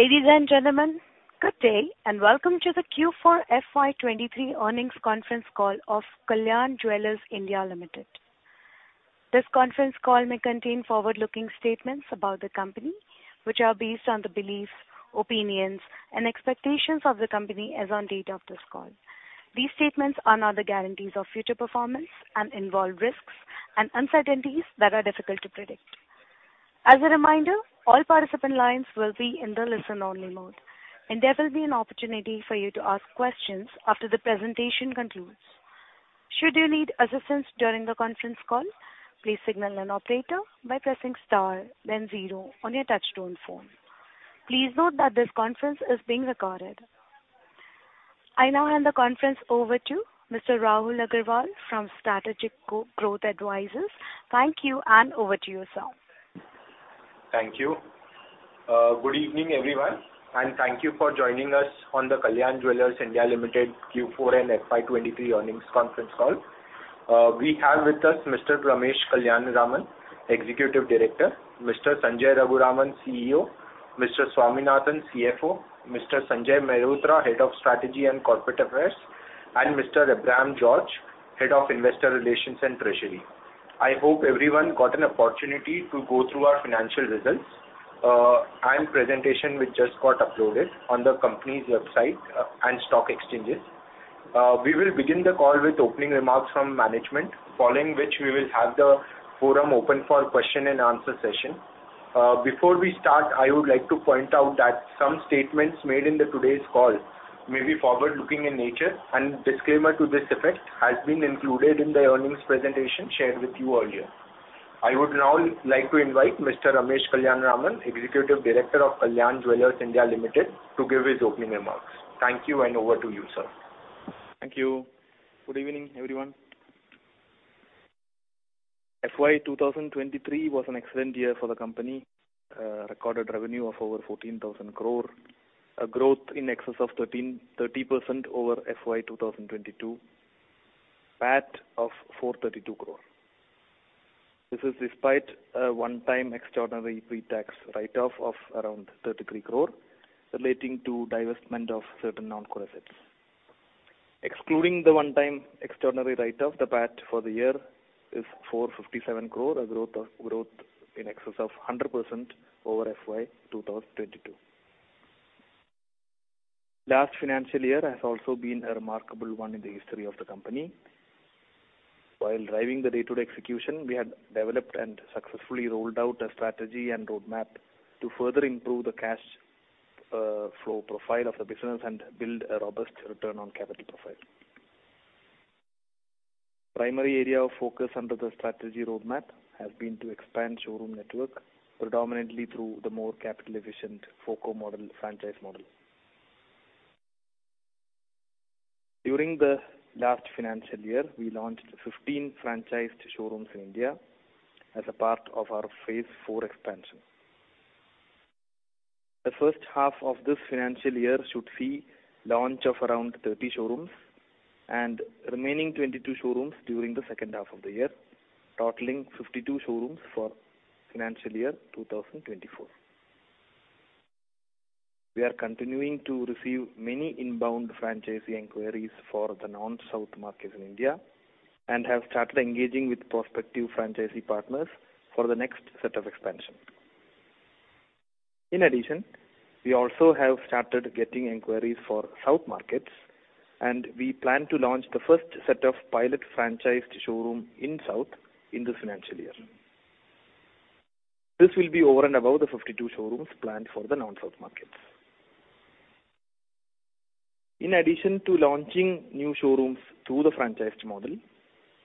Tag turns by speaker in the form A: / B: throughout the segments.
A: Ladies and gentlemen, good day and welcome to the Q4 FY 2023 earnings conference call of Kalyan Jewellers India Limited. This conference call may contain forward-looking statements about the company which are based on the beliefs, opinions and expectations of the company as on date of this call. These statements are not the guarantees of future performance and involve risks and uncertainties that are difficult to predict. As a reminder, all participant lines will be in the listen-only mode, and there will be an opportunity for you to ask questions after the presentation concludes. Should you need assistance during the conference call, please signal an operator by pressing star then zero on your touchtone phone. Please note that this conference is being recorded. I now hand the conference over to Mr. Rahul Agarwal from Strategic Growth Advisors. Thank you, and over to you, sir.
B: Thank you. Good evening, everyone, and thank you for joining us on the Kalyan Jewellers India Limited Q4 and FY 2023 earnings conference call. We have with us Mr. Ramesh Kalyanaraman, Executive Director, Mr. Sanjay Raghuraman, CEO, Mr. Swaminathan, CFO, Mr. Sanjay Mehrotra, Head of Strategy and Corporate Affairs, and Mr. Abraham George, Head of Investor Relations and Treasury. I hope everyone got an opportunity to go through our financial results and presentation which just got uploaded on the company's website and stock exchanges. We will begin the call with opening remarks from management, following which we will have the forum open for question-and-answer session. Before we start, I would like to point out that some statements made in the today's call may be forward-looking in nature. Disclaimer to this effect has been included in the earnings presentation shared with you earlier. I would now like to invite Mr. Ramesh Kalyanaraman, Executive Director of Kalyan Jewellers India Limited, to give his opening remarks. Thank you, over to you, sir.
C: Thank you. Good evening, everyone. FY 2023 was an excellent year for the company. recorded revenue of over 14,000 crore. A growth in excess of 30% over FY 2022. PAT of 432 crore. This is despite a one-time extraordinary pretax write-off of around 33 crore relating to divestment of certain non-core assets. Excluding the one-time extraordinary write-off, the PAT for the year is 457 crore, a growth in excess of 100% over FY 2022. Last financial year has also been a remarkable one in the history of the company. While driving the day-to-day execution, we had developed and successfully rolled out a strategy and roadmap to further improve the cash flow profile of the business and build a robust return on capital profile. Primary area of focus under the strategy roadmap has been to expand showroom network, predominantly through the more capital efficient FOCO model, franchise model. During the last financial year, we launched 15 franchised showrooms in India as a part of our Phase 4 expansion. The first half of this financial year should see launch of around 30 showrooms and remaining 22 showrooms during the second half of the year, totaling 52 showrooms for financial year 2024. We are continuing to receive many inbound franchisee inquiries for the non-south markets in India and have started engaging with prospective franchisee partners for the next set of expansion. In addition, we also have started getting inquiries for south markets. We plan to launch the first set of pilot franchised showroom in south in this financial year. This will be over and above the 52 showrooms planned for the non-south markets. In addition to launching new showrooms through the franchised model,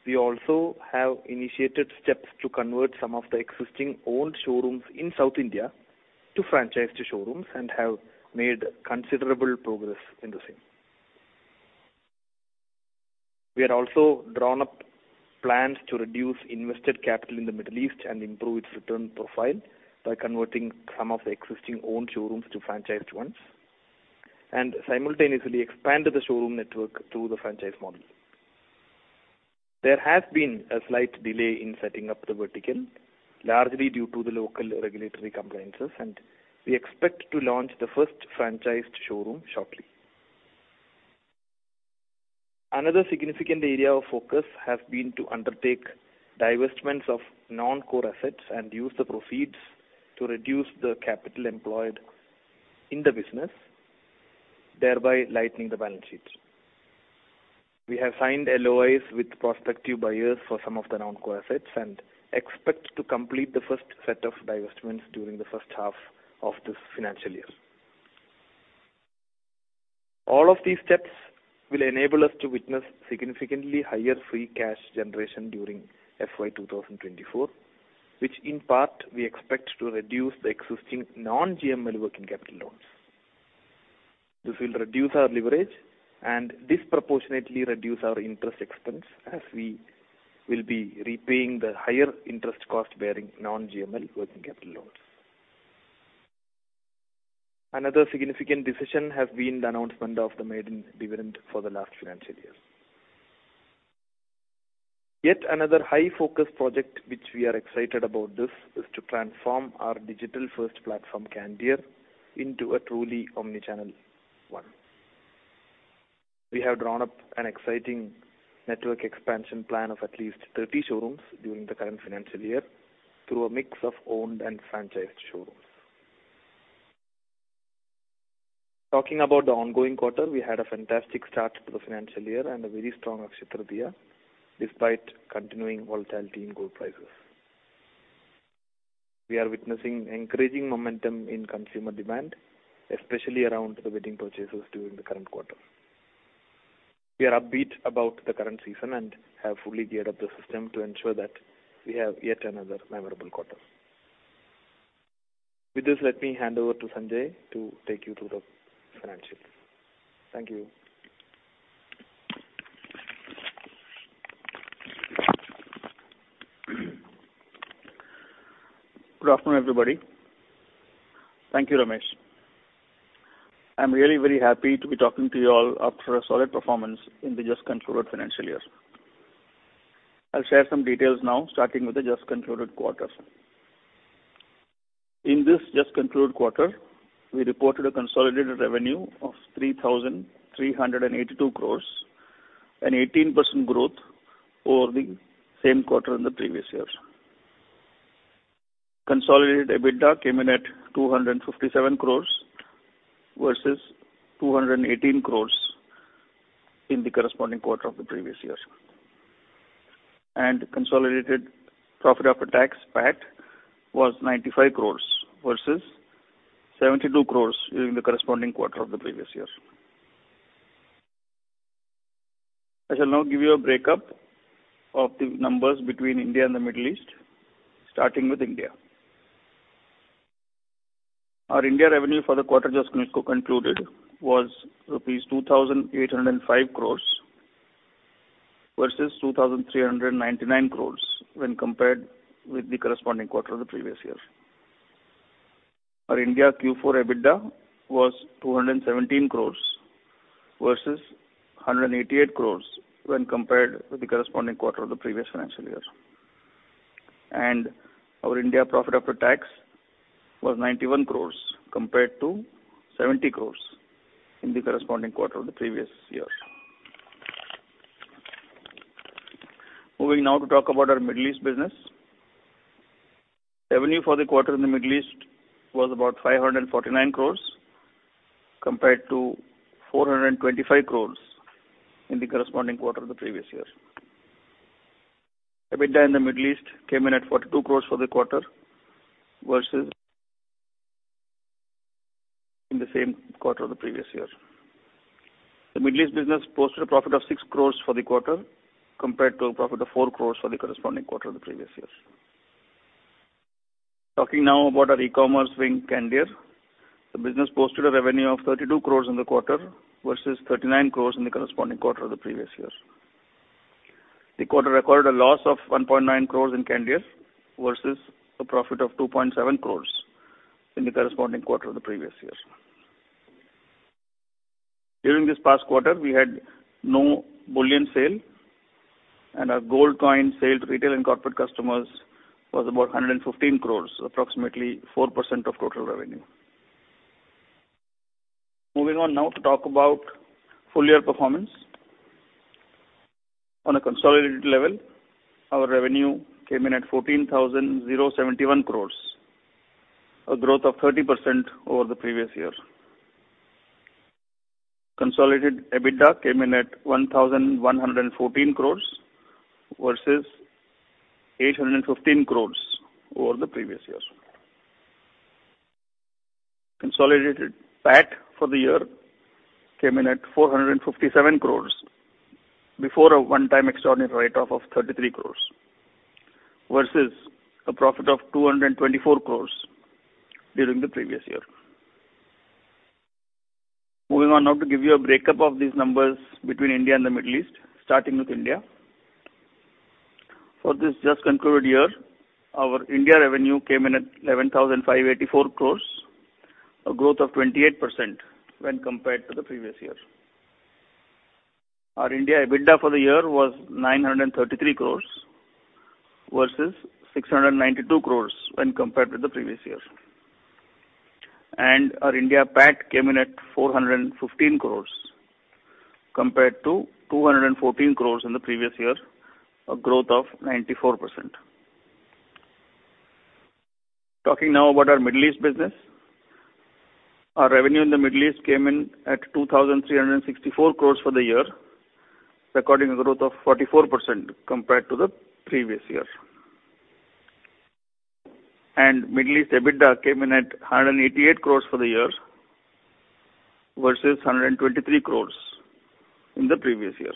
C: we also have initiated steps to convert some of the existing owned showrooms in South India to franchised showrooms and have made considerable progress in the same. We have also drawn up plans to reduce invested capital in the Middle East and improve its return profile by converting some of the existing owned showrooms to franchised ones and simultaneously expand the showroom network through the franchise model. There has been a slight delay in setting up the vertical, largely due to the local regulatory compliances, and we expect to launch the first franchised showroom shortly. Another significant area of focus has been to undertake divestments of non-core assets and use the proceeds to reduce the capital employed in the business, thereby lightening the balance sheet. We have signed LOIs with prospective buyers for some of the non-core assets and expect to complete the first set of divestments during the first half of this financial year. All of these steps will enable us to witness significantly higher free cash generation during FY 2024, which in part we expect to reduce the existing non-GML working capital loans. This will reduce our leverage and disproportionately reduce our interest expense as we will be repaying the higher interest cost-bearing non-GML working capital loans. Another significant decision has been the announcement of the maiden dividend for the last financial year. Yet another high focus project which we are excited about this is to transform our digital first platform, Candere, into a truly omni-channel one. We have drawn up an exciting network expansion plan of at least 30 showrooms during the current financial year through a mix of owned and franchised showrooms. Talking about the ongoing quarter, we had a fantastic start to the financial year and a very strong Akshaya Tritiya despite continuing volatility in gold prices. We are witnessing increasing momentum in consumer demand, especially around the wedding purchases during the current quarter. We are upbeat about the current season and have fully geared up the system to ensure that we have yet another memorable quarter. With this, let me hand over to Sanjay to take you through the financials. Thank you.
D: Good afternoon, everybody. Thank you, Ramesh. I'm really very happy to be talking to you all after a solid performance in the just concluded financial year. I'll share some details now, starting with the just concluded quarter. In this just concluded quarter, we reported a consolidated revenue of 3,382 crores, an 18% growth over the same quarter in the previous year. Consolidated EBITDA came in at 257 crores versus 218 crores in the corresponding quarter of the previous year. Consolidated profit after tax, PAT, was 95 crores versus 72 crores during the corresponding quarter of the previous year. I shall now give you a breakup of the numbers between India and the Middle East, starting with India. Our India revenue for the quarter just concluded was rupees 2,805 crores versus 2,399 crores when compared with the corresponding quarter of the previous year. Our India Q4 EBITDA was 217 crores versus 188 crores when compared with the corresponding quarter of the previous financial year. Our India profit after tax was 91 crores compared to 70 crores in the corresponding quarter of the previous year. Moving now to talk about our Middle East business. Revenue for the quarter in the Middle East was about 549 crores compared to 425 crores in the corresponding quarter of the previous year. EBITDA in the Middle East came in at 42 crores for the quarter versus in the same quarter of the previous year. The Middle East business posted a profit of 6 crores for the quarter, compared to a profit of 4 crores for the corresponding quarter of the previous year. Talking now about our e-commerce wing, Candere. The business posted a revenue of 32 crores in the quarter versus 39 crores in the corresponding quarter of the previous year. The quarter recorded a loss of 1.9 crores in Candere versus a profit of 2.7 crores in the corresponding quarter of the previous year. During this past quarter, we had no bullion sale, and our gold coin sale to retail and corporate customers was about 115 crores, approximately 4% of total revenue. Moving on now to talk about full year performance. On a consolidated level, our revenue came in at 14,071 crores, a growth of 30% over the previous year. Consolidated EBITDA came in at 1,114 crore versus 815 crore over the previous year. Consolidated PAT for the year came in at 457 crore before a one-time extraordinary write-off of 33 crore versus a profit of 224 crore during the previous year. Moving on now to give you a breakup of these numbers between India and the Middle East, starting with India. For this just concluded year, our India revenue came in at 11,584 crore, a growth of 28% when compared to the previous year. Our India EBITDA for the year was 933 crore versus 692 crore when compared with the previous year. Our India PAT came in at 415 crores compared to 214 crores in the previous year, a growth of 94%. Talking now about our Middle East business. Our revenue in the Middle East came in at 2,364 crores for the year, recording a growth of 44% compared to the previous year. Middle East EBITDA came in at 188 crores for the year versus 123 crores in the previous year.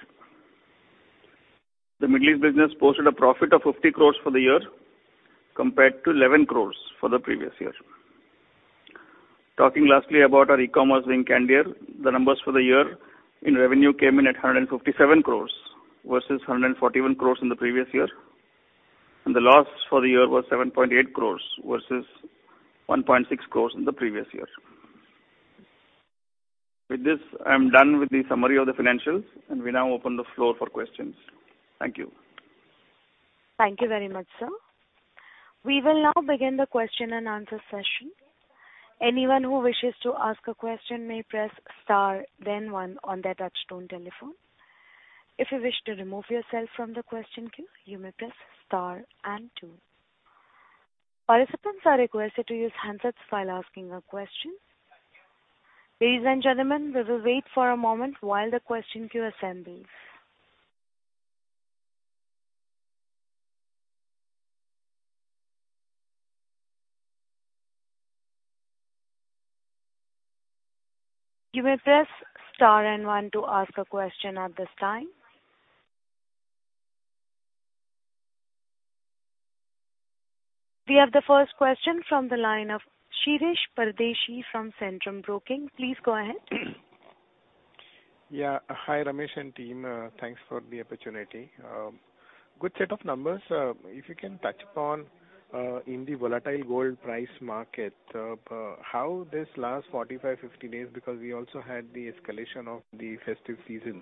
D: The Middle East business posted a profit of 50 crores for the year compared to 11 crores for the previous year. Talking lastly about our e-commerce wing, Candere. The numbers for the year in revenue came in at 157 crores versus 141 crores in the previous year. The loss for the year was 7.8 crores versus 1.6 crores in the previous year. With this, I'm done with the summary of the financials, and we now open the floor for questions. Thank you.
A: Thank you very much, sir. We will now begin the question and answer session. Anyone who wishes to ask a question may press star then one on their touchtone telephone. If you wish to remove yourself from the question queue, you may press star and two. Participants are requested to use handsets while asking a question. Ladies and gentlemen, we will wait for a moment while the question queue assembles. You may press star and one to ask a question at this time. We have the first question from the line of Shirish Pardeshi from Centrum Broking. Please go ahead.
E: Yeah. Hi, Ramesh and team. Thanks for the opportunity. Good set of numbers. If you can touch upon in the volatile gold price market, how this last 45, 50 days, because we also had the escalation of the festive season.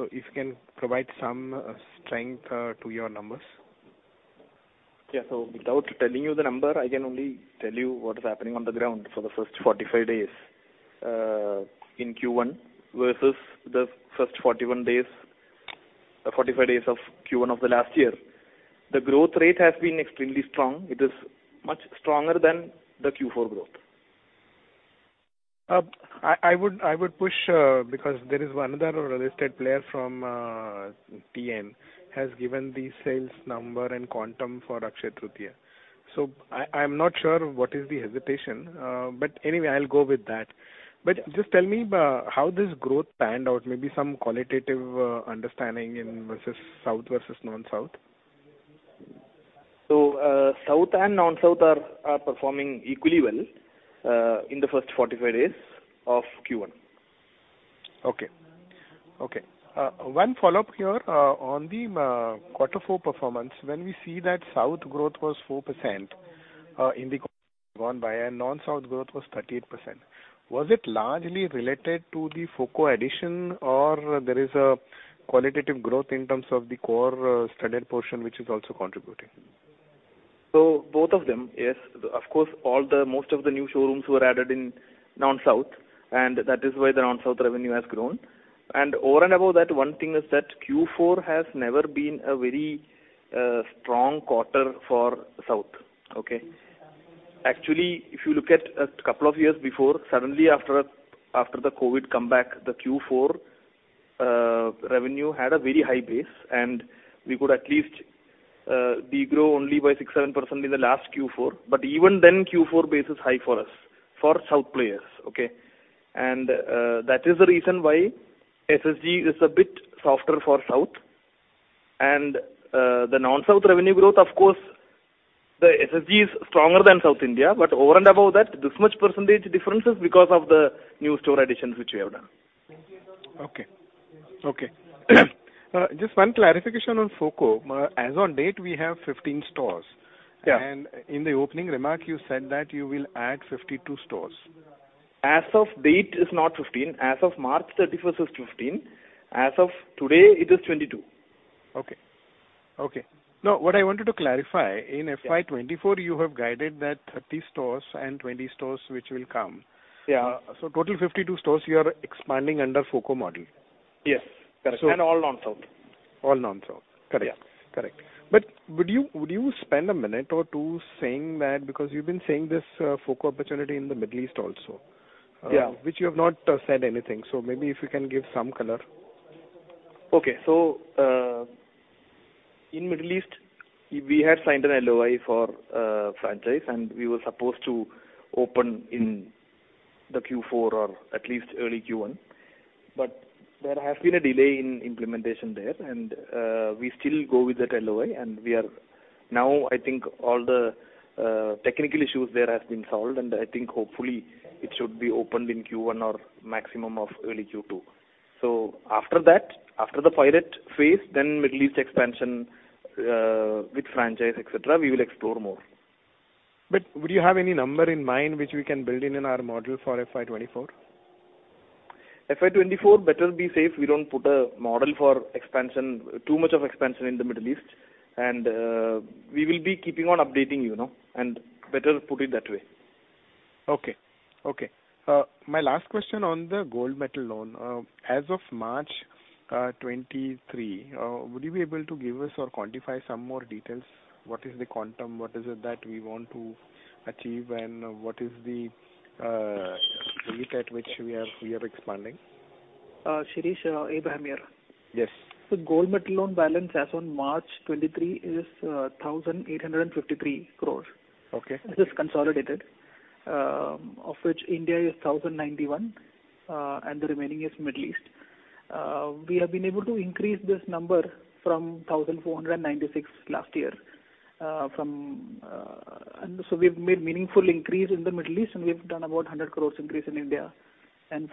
E: If you can provide some strength to your numbers?
C: Without telling you the number, I can only tell you what is happening on the ground for the first 45 days in Q1 versus the first 45 days of Q1 of the last year. The growth rate has been extremely strong. It is much stronger than the Q4 growth.
E: I would push because there is one other listed player from TN has given the sales number and quantum for Akshaya Tritiya. I am not sure what is the hesitation. But anyway, I'll go with that. Just tell me how this growth panned out, maybe some qualitative understanding in versus South versus non-South.
C: South and non-South are performing equally well, in the first 45 days of Q1.
E: Okay. Okay. One follow-up here, on the, quarter four performance. When we see that South growth was 4%, in the gone by, and non-South growth was 38%. Was it largely related to the FOCO addition or there is a qualitative growth in terms of the core, standard portion which is also contributing?
C: Both of them, yes. Of course, all the, most of the new showrooms were added in non-South, and that is why the non-South revenue has grown. Over and above that, one thing is that Q4 has never been a very strong quarter for South. Okay? Actually, if you look at a couple of years before, suddenly after the COVID comeback, the Q4 revenue had a very high base, and we could at least de-grow only by 6%, 7% in the last Q4. Even then, Q4 base is high for us, for South players. Okay? That is the reason why SSG is a bit softer for South. The non-South revenue growth, of course, the SSG is stronger than South India. Over and above that, this much % difference is because of the new store additions which we have done.
E: Okay. Okay. Just one clarification on FOCO. As on date, we have 15 stores.
C: Yeah.
E: In the opening remark you said that you will add 52 stores.
C: As of date is not 15. As of March 31st is 15. As of today it is 22.
E: Okay. Okay. No, what I wanted to clarify, in FY 2024 you have guided that 30 stores and 20 stores which will come.
C: Yeah.
E: Total 52 stores you are expanding under FoCo model?
C: Yes. Correct.
E: So-
C: All non-South.
E: All non-South. Correct.
C: Yeah.
E: Correct. Would you spend a minute or two saying that because you've been saying this FOCO opportunity in the Middle East also?
C: Yeah.
E: Which you have not said anything. maybe if you can give some color.
C: Okay. In Middle East, we had signed an LOI for a franchise and we were supposed to open in the Q4 or at least early Q1. There has been a delay in implementation there. We still go with that LOI and we are. Now I think all the technical issues there has been solved and I think hopefully it should be opened in Q1 or maximum of early Q2. After that, after the pilot phase, then Middle East expansion with franchise, et cetera, we will explore more.
E: Would you have any number in mind which we can build in in our model for FY 2024?
C: FY 2024 better be safe. We don't put a model for expansion, too much of expansion in the Middle East. We will be keeping on updating you know and better put it that way.
E: Okay. Okay. My last question on the gold metal loan. As of March, 2023, would you be able to give us or quantify some more details? What is the quantum? What is it that we want to achieve and what is the rate at which we are expanding?
F: Shirish, Abraham here.
E: Yes.
G: The gold metal loan balance as on March 2023 is 1,853 crores.
E: Okay.
G: This is consolidated. Of which India is 1,091, and the remaining is Middle East. We have been able to increase this number from 1,496 last year. We've made meaningful increase in the Middle East and we've done about 100 crore increase in India.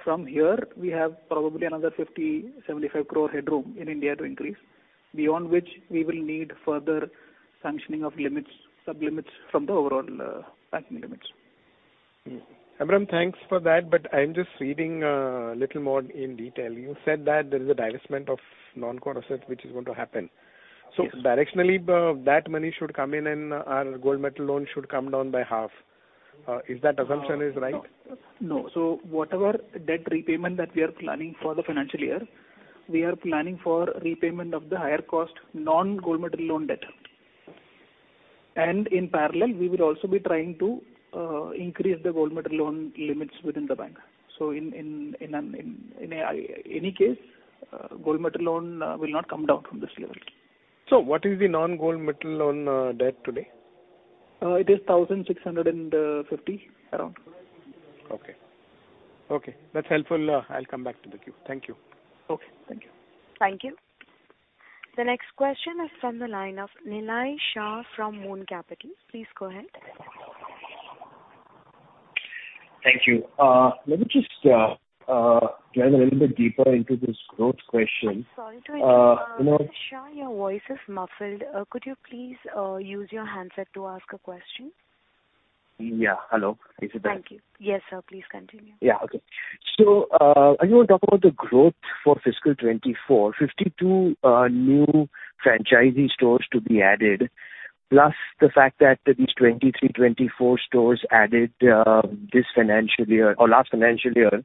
G: From here we have probably another 50 crore- 75 crore headroom in India to increase.
C: Beyond which we will need further sanctioning of limits, sub-limits from the overall banking limits.
E: Abraham, thanks for that, I'm just reading, little more in detail. You said that there is a divestment of non-core assets which is going to happen.
C: Yes.
E: Directionally, that money should come in and our gold metal loan should come down by half. Is that assumption is right?
C: No. No. Whatever debt repayment that we are planning for the financial year, we are planning for repayment of the higher cost non-gold metal loan debt. In parallel, we will also be trying to increase the gold metal loan limits within the bank. In any case, gold metal loan will not come down from this level.
E: What is the non-gold metal loan debt today?
C: It is 1,650 around.
E: Okay. Okay, that's helpful. I'll come back to the queue. Thank you.
C: Okay. Thank you.
A: Thank you. The next question is from the line of Nihal Jham from Moon Capital. Please go ahead.
H: Thank you. let me just drive a little bit deeper into this growth question. you know.
A: Sorry to interrupt. Mr. Jham, your voice is muffled. Could you please use your handset to ask a question?
H: Yeah. Hello. Is it better?
A: Thank you. Yes, sir. Please continue.
H: Yeah. Okay. I wanna talk about the growth for fiscal 2024. 52 new franchisee stores to be added, plus the fact that at least 23, 24 stores added this financial year or last financial year,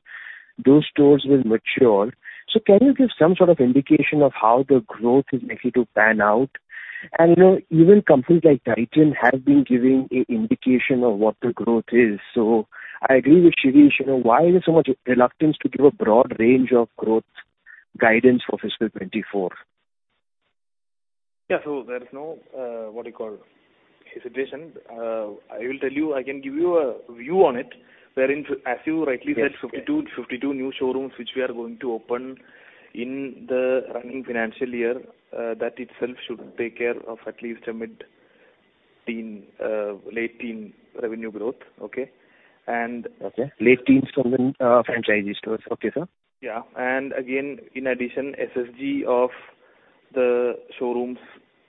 H: those stores will mature. Can you give some sort of indication of how the growth is likely to pan out? You know, even companies like Titan have been giving a indication of what the growth is. I agree with Shirish, you know, why there's so much reluctance to give a broad range of growth guidance for fiscal 2024?
C: Yeah. There is no, what do you call, hesitation. I will tell you, I can give you a view on it, wherein as you rightly said-
H: Yes. Yes....
C: 52 new showrooms which we are going to open in the running financial year, that itself should take care of at least a mid-teen, late-teen revenue growth. Okay?
H: Okay. Late-teens from the franchisee stores. Okay, sir.
C: Yeah. Again, in addition, SSG of the showrooms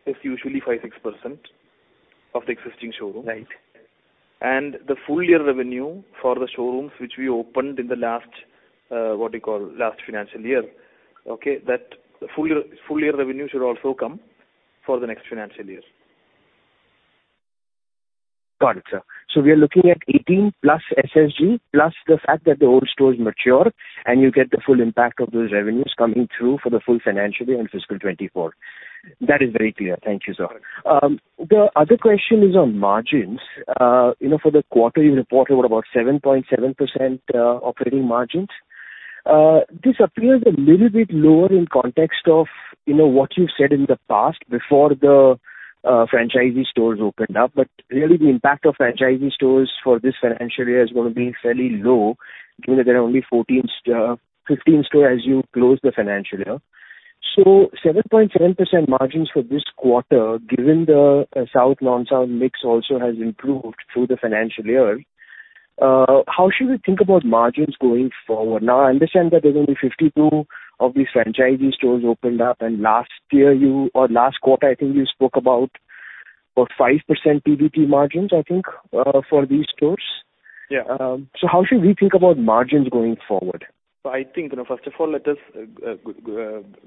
C: is usually 5%-6% of the existing showrooms.
H: Right.
C: The full year revenue for the showrooms which we opened in the last financial year, that full year revenue should also come for the next financial year.
H: Got it, sir. We are looking at 18+ SSG, plus the fact that the old stores mature and you get the full impact of those revenues coming through for the full financial year in fiscal 2024. That is very clear. Thank you, sir. The other question is on margins. You know, for the quarter you reported what about 7.7% operating margins. This appears a little bit lower in context of, you know, what you've said in the past before the franchisee stores opened up. Really the impact of franchisee stores for this financial year is gonna be fairly low, given that there are only 15 stores as you close the financial year. 7.7% margins for this quarter, given the south non-south mix also has improved through the financial year, how should we think about margins going forward? I understand that there's gonna be 52 of these franchisee stores opened up, and last year you or last quarter, I think you spoke about 5% PBT margins, I think, for these stores.
C: Yeah.
H: How should we think about margins going forward?
C: I think, you know, first of all, let us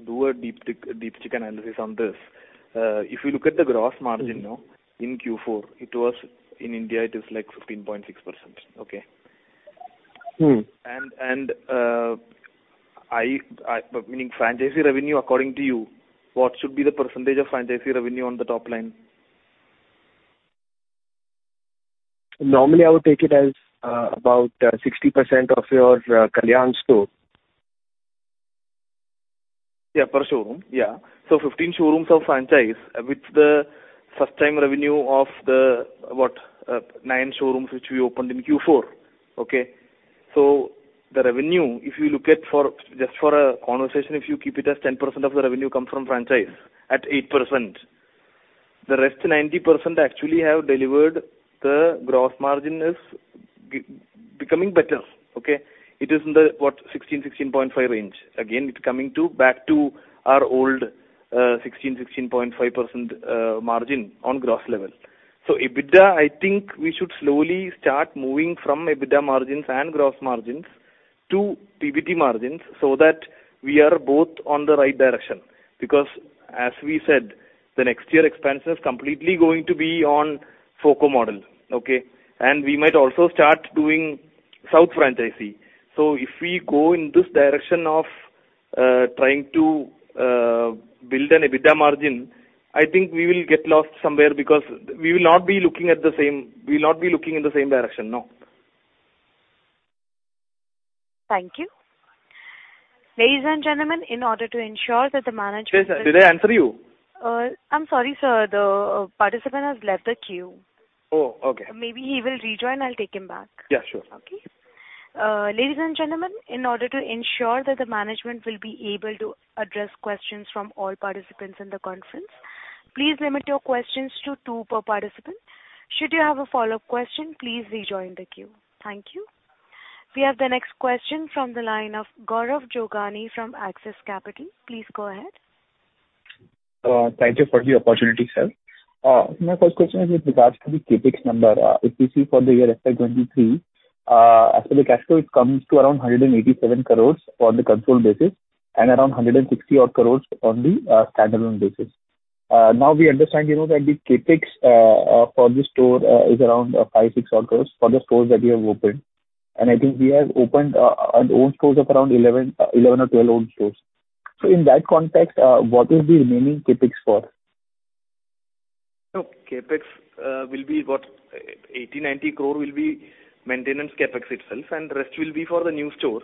C: do a deep check analysis on this. If you look at the gross margin, no, in Q4, it was, in India it is like 15.6%. Okay?
H: Mm-hmm.
C: Meaning franchisee revenue, according to you, what should be the percentage of franchisee revenue on the top line?
H: Normally, I would take it as about 60% of your Kalyan store.
C: Yeah, per showroom. Yeah. 15 showrooms of franchise with the first time revenue of the what? 9 showrooms which we opened in Q4. Okay? The revenue, if you look at for, just for a conversation, if you keep it as 10% of the revenue come from franchise at 8%, the rest 90% actually have delivered the gross margin is becoming better. Okay? It is in the, what? 16-16.5 range. Again, it's coming to back to our old 16%-16.5% margin on gross level. EBITDA, I think we should slowly start moving from EBITDA margins and gross margins to PBT margins so that we are both on the right direction. Because as we said, the next year expense is completely going to be on FOCO model. Okay? We might also start doing south franchisee. If we go in this direction of trying to build an EBITDA margin, I think we will get lost somewhere because we'll not be looking in the same direction, no.
A: Thank you. Ladies and gentlemen, in order to ensure that the management.
C: Yes, sir. Did I answer you?
A: I'm sorry, sir. The participant has left the queue.
C: Oh, okay.
A: Maybe he will rejoin, I'll take him back.
C: Yeah, sure.
A: Okay. ladies and gentlemen, in order to ensure that the management will be able to address questions from all participants in the conference, please limit your questions to two per participant. Should you have a follow-up question, please rejoin the queue. Thank you. We have the next question from the line of Gaurav Jogani from Axis Capital. Please go ahead.
I: Thank you for the opportunity, sir. My first question is with regards to the CapEx number. If you see for the year FY 2023, as per the cash flow, it comes to around 187 crores on the control basis and around 160 odd crores on the standalone basis. Now we understand, you know, that the CapEx for the store is around 5-6 odd crores for the stores that you have opened. I think we have opened own stores of around 11 or 12 own stores. In that context, what is the remaining CapEx for?
C: CapEx will be what, 80 crore-90 crore will be maintenance CapEx itself, and rest will be for the new stores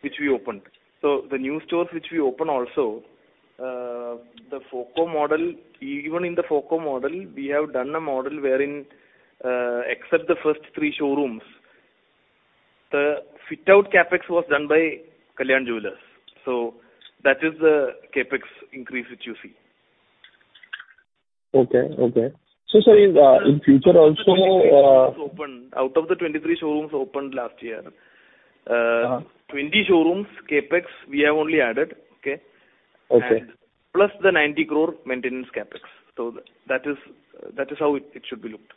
C: which we opened. The new stores which we open also, the FOCO model, even in the FOCO model, we have done a model wherein, except the first three showrooms, the fit-out CapEx was done by Kalyan Jewellers. That is the CapEx increase that you see.
I: Okay. Okay. Sorry, in future also.
C: Out of the 23 showrooms opened last year,
I: Uh-
C: 20 showrooms CapEx we have only added. Okay?
I: Okay.
C: Plus the 90 crore maintenance CapEx. That is how it should be looked.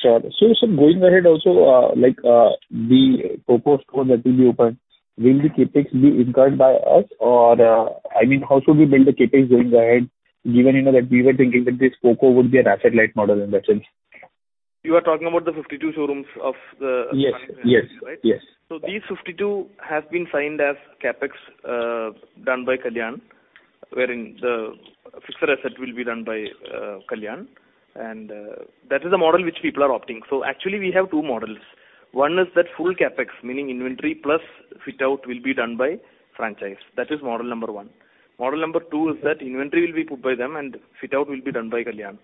I: Sure. Going ahead also, like, the FOCO store that will be opened, will the CapEx be incurred by us or... I mean, how should we build the CapEx going ahead, given, you know, that we were thinking that this FOCO would be an asset-light model in that sense?
C: You are talking about the 52 showrooms of the.
I: Yes. Yes.
C: Right?
I: Yes.
C: These 52 have been signed as CapEx done by Kalyan, wherein the fixed asset will be done by Kalyan. That is a model which people are opting. Actually we have 2 models. One is that full CapEx, meaning inventory plus fit-out will be done by franchise. That is model number 1. Model number 2 is that inventory will be put by them and fit-out will be done by Kalyan.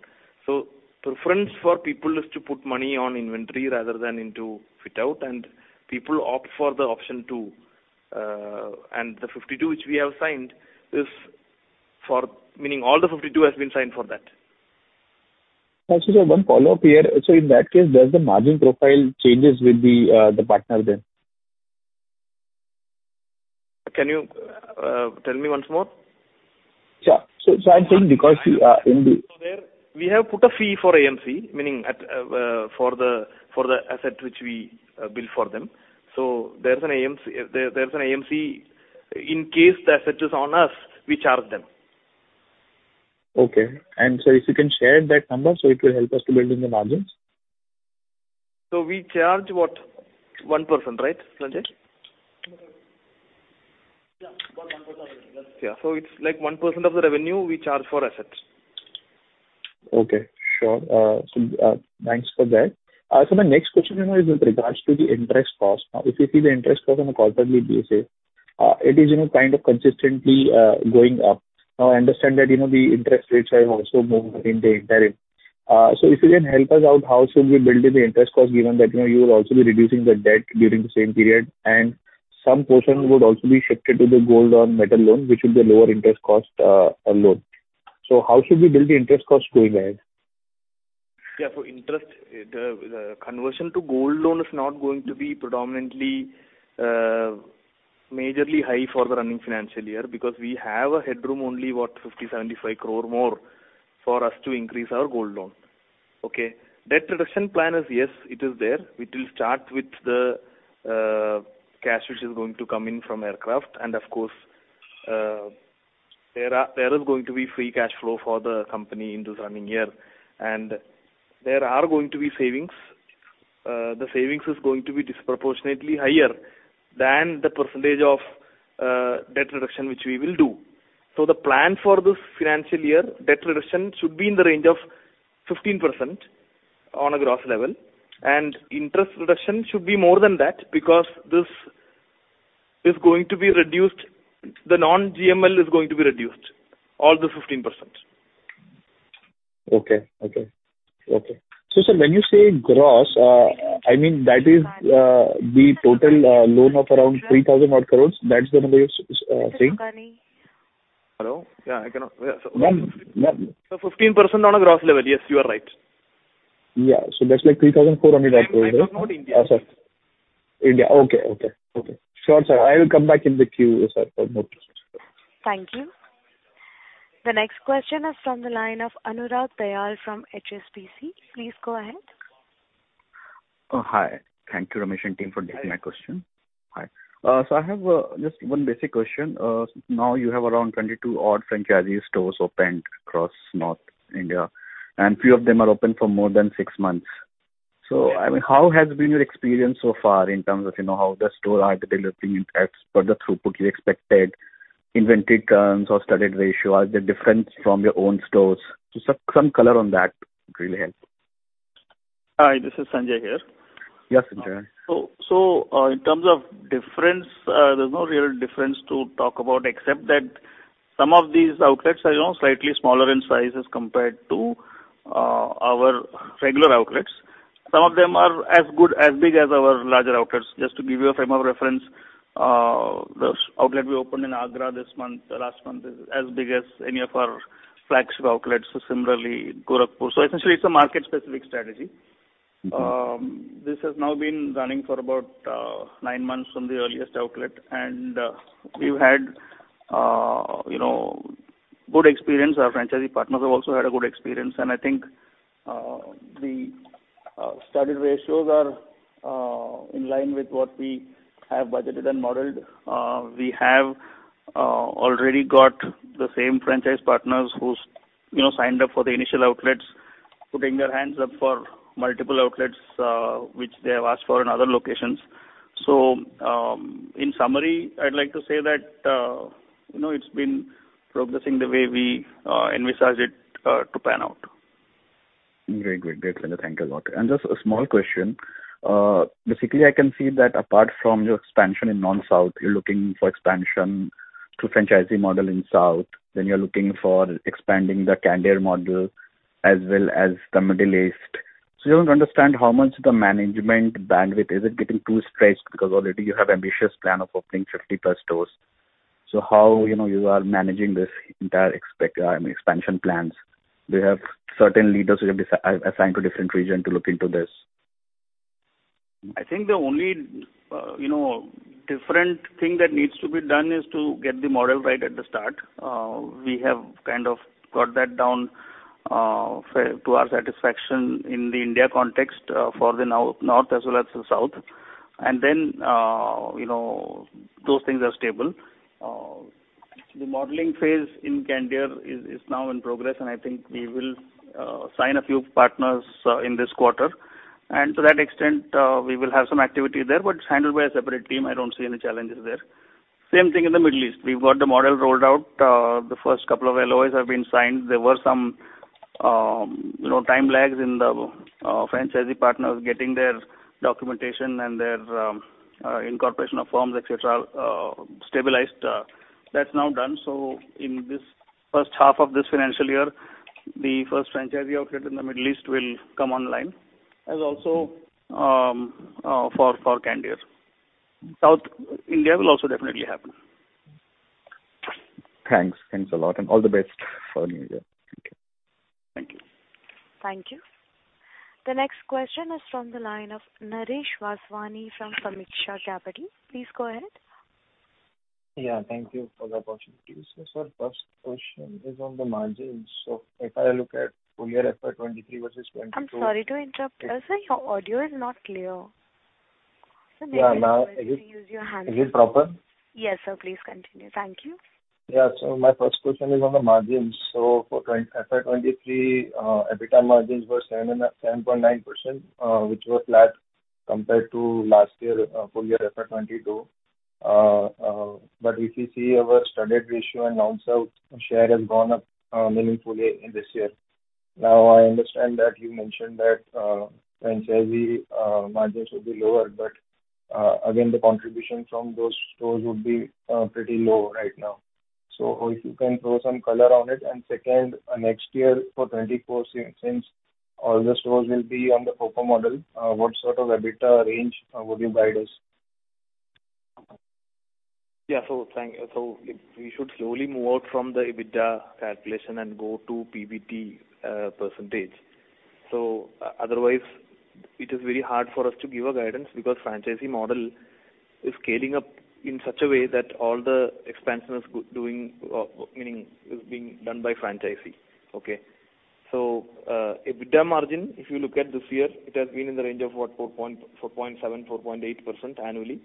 C: Preference for people is to put money on inventory rather than into fit-out, and people opt for the option 2. The 52 which we have signed is for meaning all the 52 has been signed for that.
I: One follow-up here. In that case, does the margin profile changes with the partner there?
C: Can you tell me once more?
I: Sure. I'm saying because,
C: There we have put a fee for AMC, meaning at for the asset which we build for them. There's an AMC, there's an AMC in case the asset is on us, we charge them.
I: Okay. If you can share that number, so it will help us to build in the margins.
C: We charge what? 1%, right, Sanjay?
D: Yeah. About 1%.
C: Yeah. It's like 1% of the revenue we charge for assets.
I: Okay. Sure. Thanks for that. My next question, you know, is with regards to the interest cost. If you see the interest cost on a quarterly basis, it is, you know, kind of consistently going up. I understand that, you know, the interest rates have also moved in the interim. If you can help us out, how should we build in the interest cost given that, you know, you will also be reducing the debt during the same period, and some portion would also be shifted to the gold or metal loan, which would be a lower interest cost loan. How should we build the interest cost going ahead?
C: Yeah. Interest, the conversion to gold loan is not going to be predominantly majorly high for the running financial year because we have a headroom only what, 50-75 crore more for us to increase our gold loan. Okay? Debt reduction plan is, yes, it is there. It will start with the cash which is going to come in from aircraft and of course, there is going to be free cash flow for the company in this running year. There are going to be savings. The savings is going to be disproportionately higher than the percentage of debt reduction, which we will do. The plan for this financial year, debt reduction should be in the range of 15% on a gross level, and interest reduction should be more than that because this is going to be reduced. The non-GML is going to be reduced. All the 15%.
I: Okay. Okay. Okay. sir, when you say gross, I mean that is, the total, loan of around 3,000 odd crores? That's the number you're saying?
D: Hello? Yeah, I cannot...
I: Ma'am...
C: 15% on a gross level. Yes, you are right.
I: Yeah. That's like 3,400 rupees odd crores, right?
C: India.
I: Sorry. India. Okay. Okay. Okay. Sure, sir. I will come back in the queue, sir, for more questions.
A: Thank you. The next question is from the line of Anurag Dayal from HSBC. Please go ahead.
J: Oh, hi. Thank you, Ramesh and team, for taking my question.
C: Hi.
J: Hi. I have just one basic question. Now you have around 22 odd franchisee stores opened across North India, and few of them are open for more than six months. I mean, how has been your experience so far in terms of, you know, how the store are delivering as per the throughput you expected, inventory turns or Studded ratio? Are they different from your own stores? Some color on that would really help.
D: Hi, this is Sanjay here.
J: Yes, Sanjay.
D: In terms of difference, there's no real difference to talk about except that some of these outlets are, you know, slightly smaller in size as compared to our regular outlets. Some of them are as good, as big as our larger outlets. Just to give you a frame of reference. This outlet we opened in Agra this month, last month is as big as any of our flagship outlets. Similarly, Gorakhpur. Essentially it's a market specific strategy.
J: Mm-hmm.
D: This has now been running for about nine months from the earliest outlet, and we've had, you know, good experience. Our franchisee partners have also had a good experience. I think the studded ratios are in line with what we have budgeted and modeled. We have already got the same franchise partners who's, you know, signed up for the initial outlets, putting their hands up for multiple outlets, which they have asked for in other locations. In summary, I'd like to say that, you know, it's been progressing the way we envisage it to pan out.
J: Great. Great, Sanjay. Thank you a lot. Just a small question. Basically I can see that apart from your expansion in non-South, you're looking for expansion to franchisee model in South, then you're looking for expanding the Candere model as well as the Middle East. You don't understand how much the management bandwidth, is it getting too stretched because already you have ambitious plan of opening 50+ stores? How, you know, you are managing this entire I mean, expansion plans? Do you have certain leaders who have assigned to different region to look into this?
D: I think the only, you know, different thing that needs to be done is to get the model right at the start. We have kind of got that down to our satisfaction in the India context for the North as well as the South. You know, those things are stable. The modeling phase in Candere is now in progress, and I think we will sign a few partners in this quarter. To that extent, we will have some activity there, but it's handled by a separate team. I don't see any challenges there. Same thing in the Middle East. We've got the model rolled out. The first couple of LOIs have been signed. There were some, you know, time lags in the franchisee partners getting their documentation and their incorporation of forms, et cetera, stabilized. That's now done. So in this first half of this financial year, the first franchisee outlet in the Middle East will come online, as also, for Candere. South India will also definitely happen.
J: Thanks. Thanks a lot. All the best for new year. Thank you.
D: Thank you.
A: Thank you. The next question is from the line of Naresh Vaswani from Sameeksha Capital. Please go ahead.
K: Yeah, thank you for the opportunity. Sir, first question is on the margins. If I look at full year FY 2023 versus 2022.
A: I'm sorry to interrupt. Sir, your audio is not clear.
K: Yeah. Now.
A: Sir, maybe it's better to use your handset.
K: Is it proper?
A: Yes, sir. Please continue. Thank you.
K: My first question is on the margins. For FY 2023, EBITDA margins were 7.9%, which were flat compared to last year, full year FY 2022. If you see our Studded ratio in non-South share has gone up meaningfully in this year. I understand that you mentioned that franchisee margins will be lower, again, the contribution from those stores would be pretty low right now. If you can throw some color on it. Second, next year for 2024, since all the stores will be on the FOCO model, what sort of EBITDA range would you guide us?
D: Yeah. Thank you. We should slowly move out from the EBITDA calculation and go to PBT percentage. Otherwise it is very hard for us to give a guidance because franchise model is scaling up in such a way that all the expansion is doing, meaning is being done by franchisee. Okay? EBITDA margin, if you look at this year, it has been in the range of what, 4.7%-4.8% annually.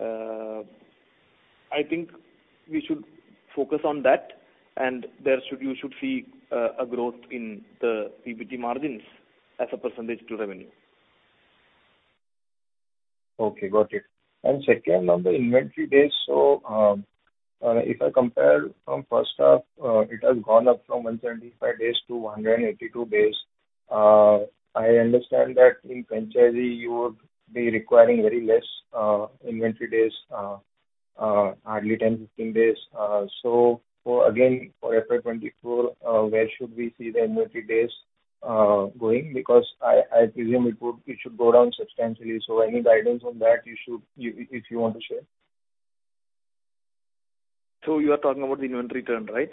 D: I think we should focus on that. You should see a growth in the PBT margins as a % to revenue.
K: Okay, got it. Second on the inventory days. If I compare from first half, it has gone up from 175 days to 182 days. I understand that in franchisee you would be requiring very less inventory days, hardly 10, 15 days. For again, for FY 2024, where should we see the inventory days going? Because I presume it should go down substantially. Any guidance on that you should give if you want to share.
D: You are talking about the inventory turn, right?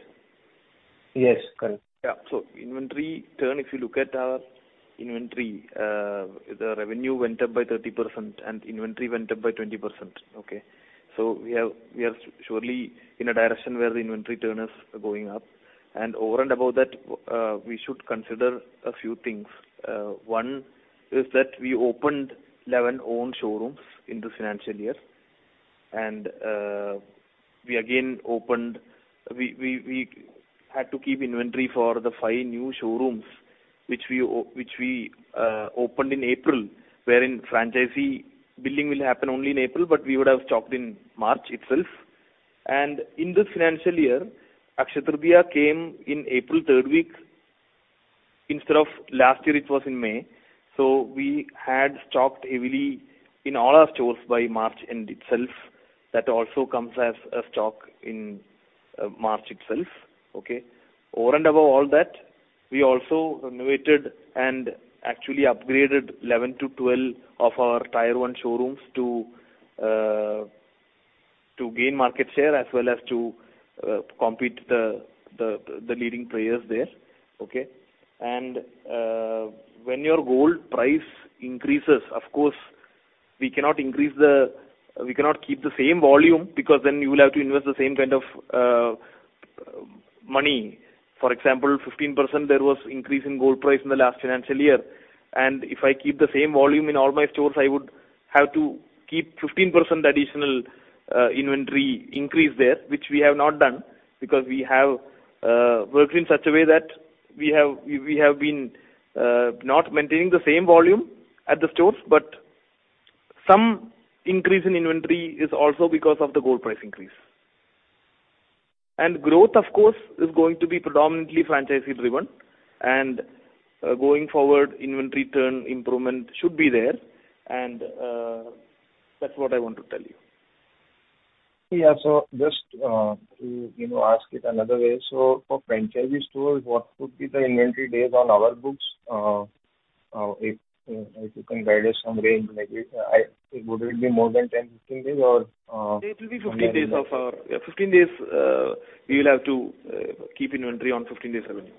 K: Yes, correct.
D: Yeah. Inventory turn, if you look at our inventory, the revenue went up by 30% and inventory went up by 20%. Okay? We are surely in a direction where the inventory turn is going up. Over and above that, we should consider a few things. One is that we opened 11 own showrooms in this financial year. We again opened, we had to keep inventory for the 5 new showrooms which we opened in April, wherein franchisee billing will happen only in April, but we would have stocked in March itself. In this financial year, Akshaya Tritiya came in April 3rd week instead of last year it was in May, so we had stocked heavily in all our stores by March end itself. That also comes as a stock in, March itself. Okay. Over and above all that
C: We also renovated and actually upgraded 11-12 of our tier one showrooms to gain market share as well as to compete the leading players there. Okay. When your gold price increases, of course, we cannot keep the same volume because then you will have to invest the same kind of money. For example, 15% there was increase in gold price in the last financial year, and if I keep the same volume in all my stores, I would have to keep 15% additional inventory increase there, which we have not done because we have worked in such a way that we have been not maintaining the same volume at the stores. Some increase in inventory is also because of the gold price increase. Growth, of course, is going to be predominantly franchise-driven, and going forward, inventory turn improvement should be there and that's what I want to tell you.
K: Yeah. Just, you know, to ask it another way. For franchisee stores, what would be the inventory days on our books, if you can guide us some range like this? Would it be more than 10, 15 days or?
C: It will be 15 days. Yeah, 15 days. You'll have to keep inventory on 15 days anyway.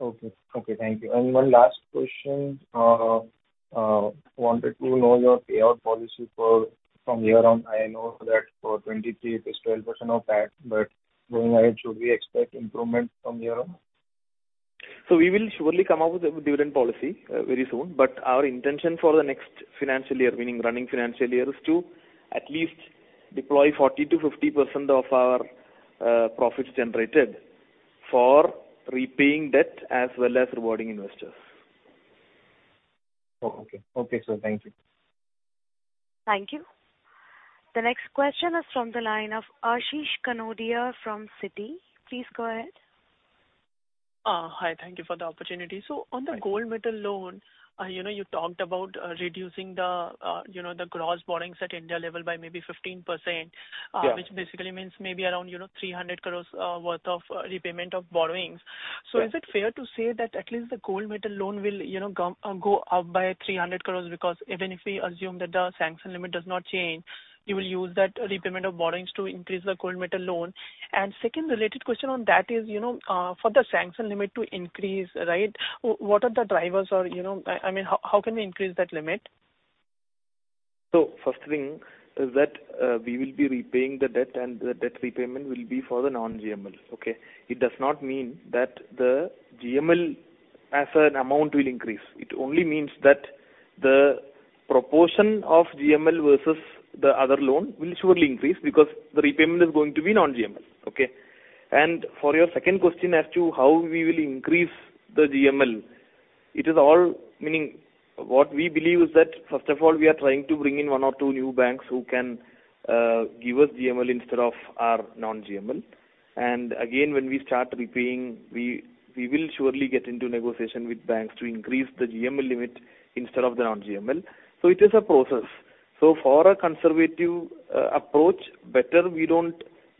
K: Okay. Okay, thank you. One last question. Wanted to know your payout policy for from here on. I know that for 2023 it is 12% of PAT, going ahead, should we expect improvement from here on?
C: We will surely come up with a dividend policy, very soon. Our intention for the next financial year, meaning running financial year, is to at least deploy 40%-50% of our profits generated for repaying debt as well as rewarding investors.
K: Oh, okay. Okay. Thank you.
A: Thank you. The next question is from the line of Ashish Kanodia from Citi. Please go ahead.
L: Hi. Thank you for the opportunity. On the gold metal loan, you know, you talked about reducing the, you know, the gross borrowings at India level by maybe 15%.
D: Yeah.
L: Which basically means maybe around, you know, 300 crores worth of repayment of borrowings. Is it fair to say that at least the gold metal loan will, you know, go up by 300 crores? Because even if we assume that the sanction limit does not change, you will use that repayment of borrowings to increase the gold metal loan. Second related question on that is, you know, for the sanction limit to increase, right, what are the drivers or, you know, I mean, how can we increase that limit?
C: First thing is that, we will be repaying the debt and the debt repayment will be for the non-GML. Okay? It does not mean that the GML as an amount will increase. It only means that the proportion of GML versus the other loan will surely increase because the repayment is going to be non-GML. Okay? For your second question as to how we will increase the GML, it is all meaning what we believe is that, first of all, we are trying to bring in one or two new banks who can give us GML instead of our non-GML. Again, when we start repaying, we will surely get into negotiation with banks to increase the GML limit instead of the non-GML. It is a process. For a conservative approach, better we don't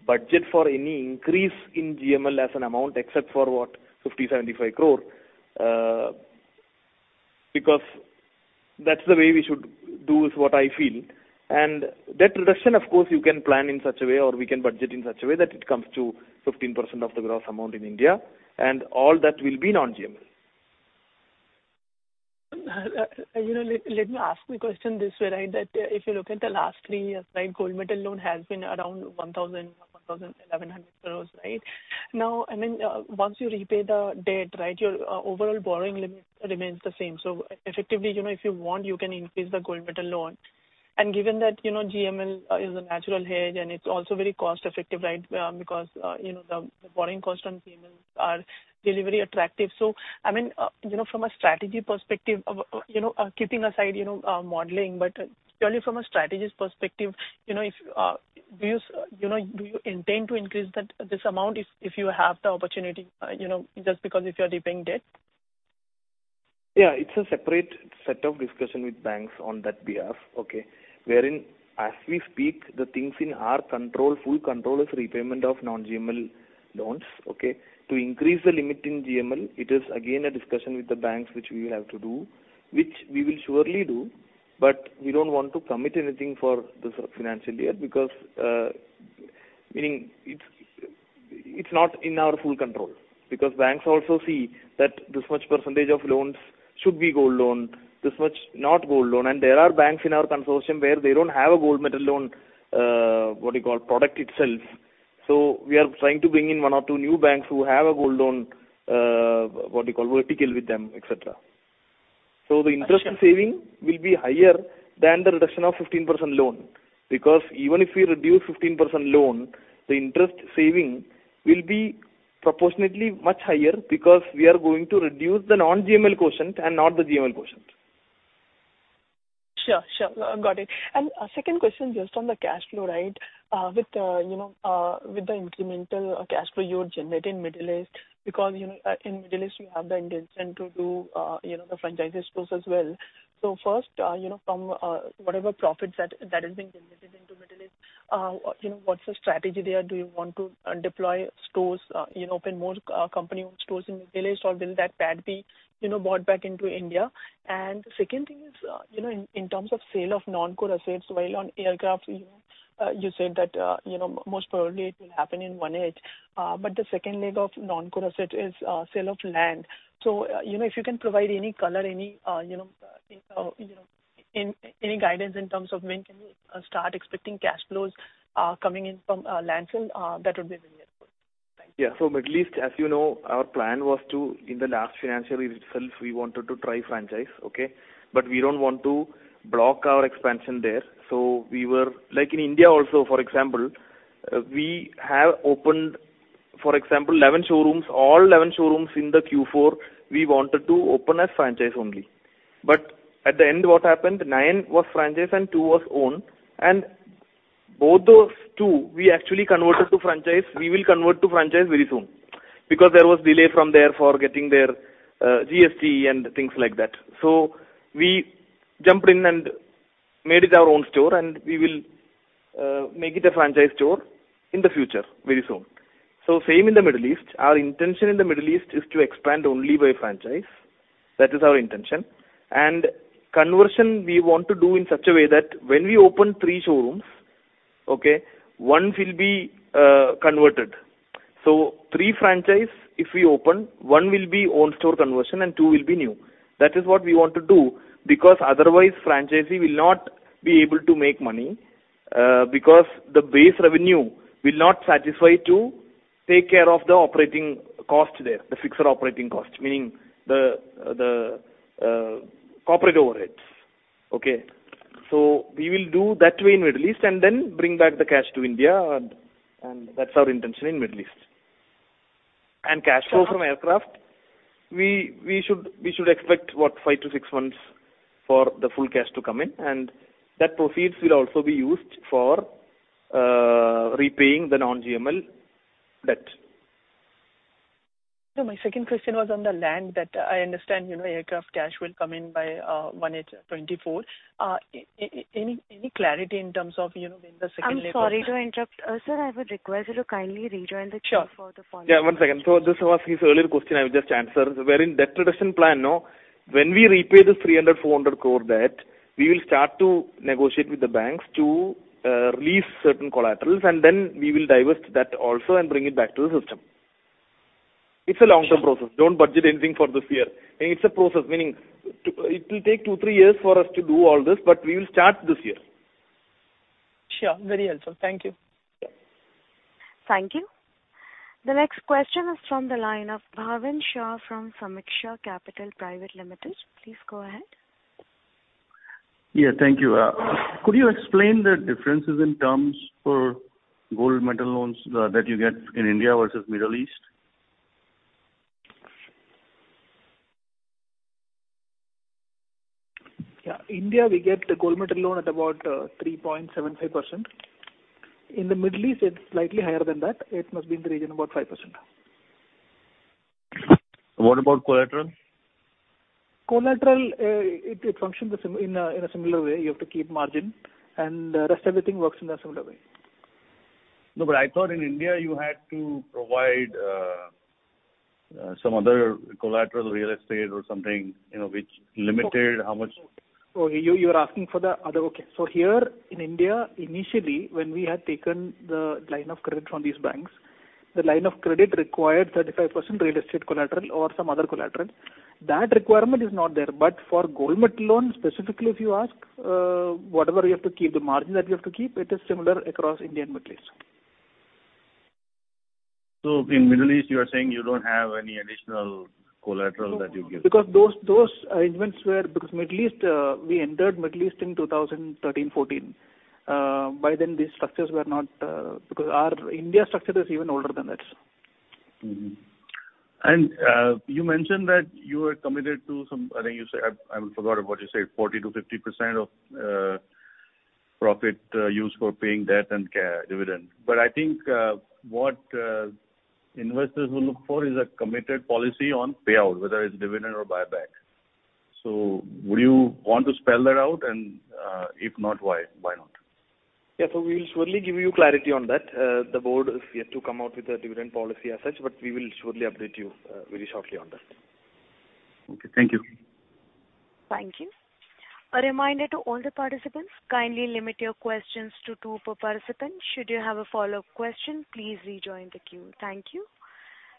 C: budget for any increase in GML as an amount except for what 50-75 crore, because that's the way we should do, is what I feel. That reduction of course you can plan in such a way or we can budget in such a way that it comes to 15% of the gross amount in India and all that will be non-GML.
L: You know, let me ask the question this way, right? If you look at the last three years, right, gold metal loan has been around 1,000, 1,100 crores, right? Once you repay the debt, right, your overall borrowing limit remains the same. Effectively, you know, if you want, you can increase the gold metal loan. Given that, you know, GML is a natural hedge and it's also very cost-effective, right, because, you know, the borrowing cost on GMLs are really very attractive. I mean, you know, from a strategy perspective of, you know, modeling, but purely from a strategist perspective, you know, if, do you intend to increase that, this amount if you have the opportunity, you know, just because if you're repaying debt?
C: Yeah. It's a separate set of discussion with banks on that behalf. Okay? Wherein as we speak the things in our control, full control is repayment of non-GML loans. Okay? To increase the limit in GML, it is again a discussion with the banks which we will have to do, which we will surely do, but we don't want to commit anything for this financial year because it's not in our full control because banks also see that this much percent of loans should be gold loan, this much not gold loan. There are banks in our consortium where they don't have a gold metal loan, what do you call, product itself. We are trying to bring in one or two new banks who have a gold loan, what do you call, vertical with them, et cetera. The interest saving will be higher than the reduction of 15% loan because even if we reduce 15% loan, the interest saving will be proportionately much higher because we are going to reduce the non-GML quotient and not the GML quotient.
L: Sure. Sure. Got it. A second question just on the cash flow, right? With, you know, with the incremental cash flow you would generate in Middle East because, you know, in Middle East you have the intention to do, you know, the franchisee stores as well. First, you know, from whatever profits that is being generated, you know, what's the strategy there? Do you want to deploy stores, you know, open more company-owned stores in retail or will that part be, you know, brought back into India? The second thing is, you know, in terms of sale of non-core assets, while on aircraft, you know, you said that, you know, most probably it will happen in 18. The second leg of non-core asset is sale of land. You know, if you can provide any color, any, you know, any guidance in terms of when can we start expecting cash flows coming in from land sale, that would be really helpful. Thank you.
C: Yeah. Middle East, as you know, our plan was to, in the last financial year itself, we wanted to try franchise, okay? We don't want to block our expansion there. Like in India also, for example, we have opened, for example, 11 showrooms. All 11 showrooms in the Q4 we wanted to open as franchise only. At the end what happened, 9 was franchise and 2 was owned. Both those 2 we actually converted to franchise. We will convert to franchise very soon because there was delay from there for getting their GST and things like that. We jumped in and made it our own store, and we will make it a franchise store in the future very soon. Same in the Middle East. Our intention in the Middle East is to expand only by franchise. That is our intention. Conversion we want to do in such a way that when we open three showrooms, okay, one will be converted. Three franchise if we open, one will be own store conversion and two will be new. That is what we want to do, because otherwise franchisee will not be able to make money, because the base revenue will not satisfy to take care of the operating cost there, the fixed operating cost, meaning the corporate overheads. Okay. We will do that way in Middle East bring back the cash to India and that's our intention in Middle East. Cash flow from aircraft, we should expect, what? 5-6 months for the full cash to come in, and that proceeds will also be used for repaying the non-GML debt.
L: No, my second question was on the land that I understand, you know, aircraft cash will come in by 1/8/2024. Any clarity in terms of, you know, when the second leg of?
A: I'm sorry to interrupt. Sir, I would request you to kindly rejoin the queue for the follow-up.
C: Sure. Yeah, one second. This was his earlier question I will just answer. Where in debt reduction plan, no. When we repay this 300 crore-400 crore debt, we will start to negotiate with the banks to release certain collaterals and then we will divest that also and bring it back to the system. It's a long-term process. Don't budget anything for this year. It's a process, meaning it will take 2-3 years for us to do all this, but we will start this year.
L: Sure. Very helpful. Thank you.
C: Yeah.
A: Thank you. The next question is from the line of Bhavin Shah from Sameeksha Capital Private Limited. Please go ahead.
M: Yeah. Thank you. Could you explain the differences in terms for gold metal loans that you get in India versus Middle East?
G: India, we get the gold metal loan at about 3.75%. In the Middle East, it's slightly higher than that. It must be in the region of about 5%.
M: What about collateral?
G: Collateral, it functions in a similar way. You have to keep margin and, rest everything works in a similar way.
M: No, I thought in India you had to provide, some other collateral real estate or something, you know, which limited how much...
G: You are asking for the other... Okay. Here in India, initially when we had taken the line of credit from these banks, the line of credit required 35% real estate collateral or some other collateral. That requirement is not there. For gold metal loan specifically if you ask, whatever you have to keep, the margin that you have to keep, it is similar across India and Middle East.
M: In Middle East, you are saying you don't have any additional collateral that you give?
G: Our India structure is even older than that.
M: You mentioned that you were committed to some, I think you said, I forgot what you said, 40%-50% of profit used for paying debt and dividend. I think what investors will look for is a committed policy on payout, whether it's dividend or buyback. Would you want to spell that out? If not, why not?
C: Yeah. We'll surely give you clarity on that. The board is yet to come out with a dividend policy as such, but we will surely update you very shortly on that.
M: Okay. Thank you.
A: Thank you. A reminder to all the participants, kindly limit your questions to two per participant. Should you have a follow-up question, please rejoin the queue. Thank you.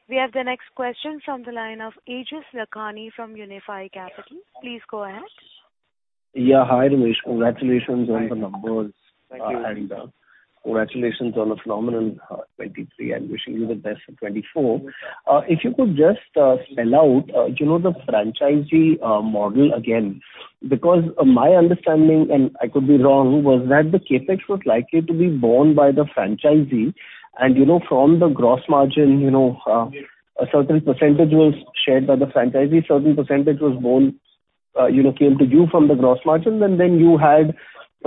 A: We have the next question from the line of Aejas Lakhani from Unifi Capital. Please go ahead.
N: Yeah. Hi, Ramesh. Congratulations on the numbers.
C: Hi. Thank you.
N: Congratulations on a phenomenal, 2023, and wishing you the best for 2024. If you could just spell out, you know, the franchisee model again. Because my understanding, and I could be wrong, was that the CapEx was likely to be borne by the franchisee and, you know, from the gross margin, you know.
C: Yes.
N: A certain percentage was shared by the franchisee, certain percentage was borne, you know, came to you from the gross margin. You had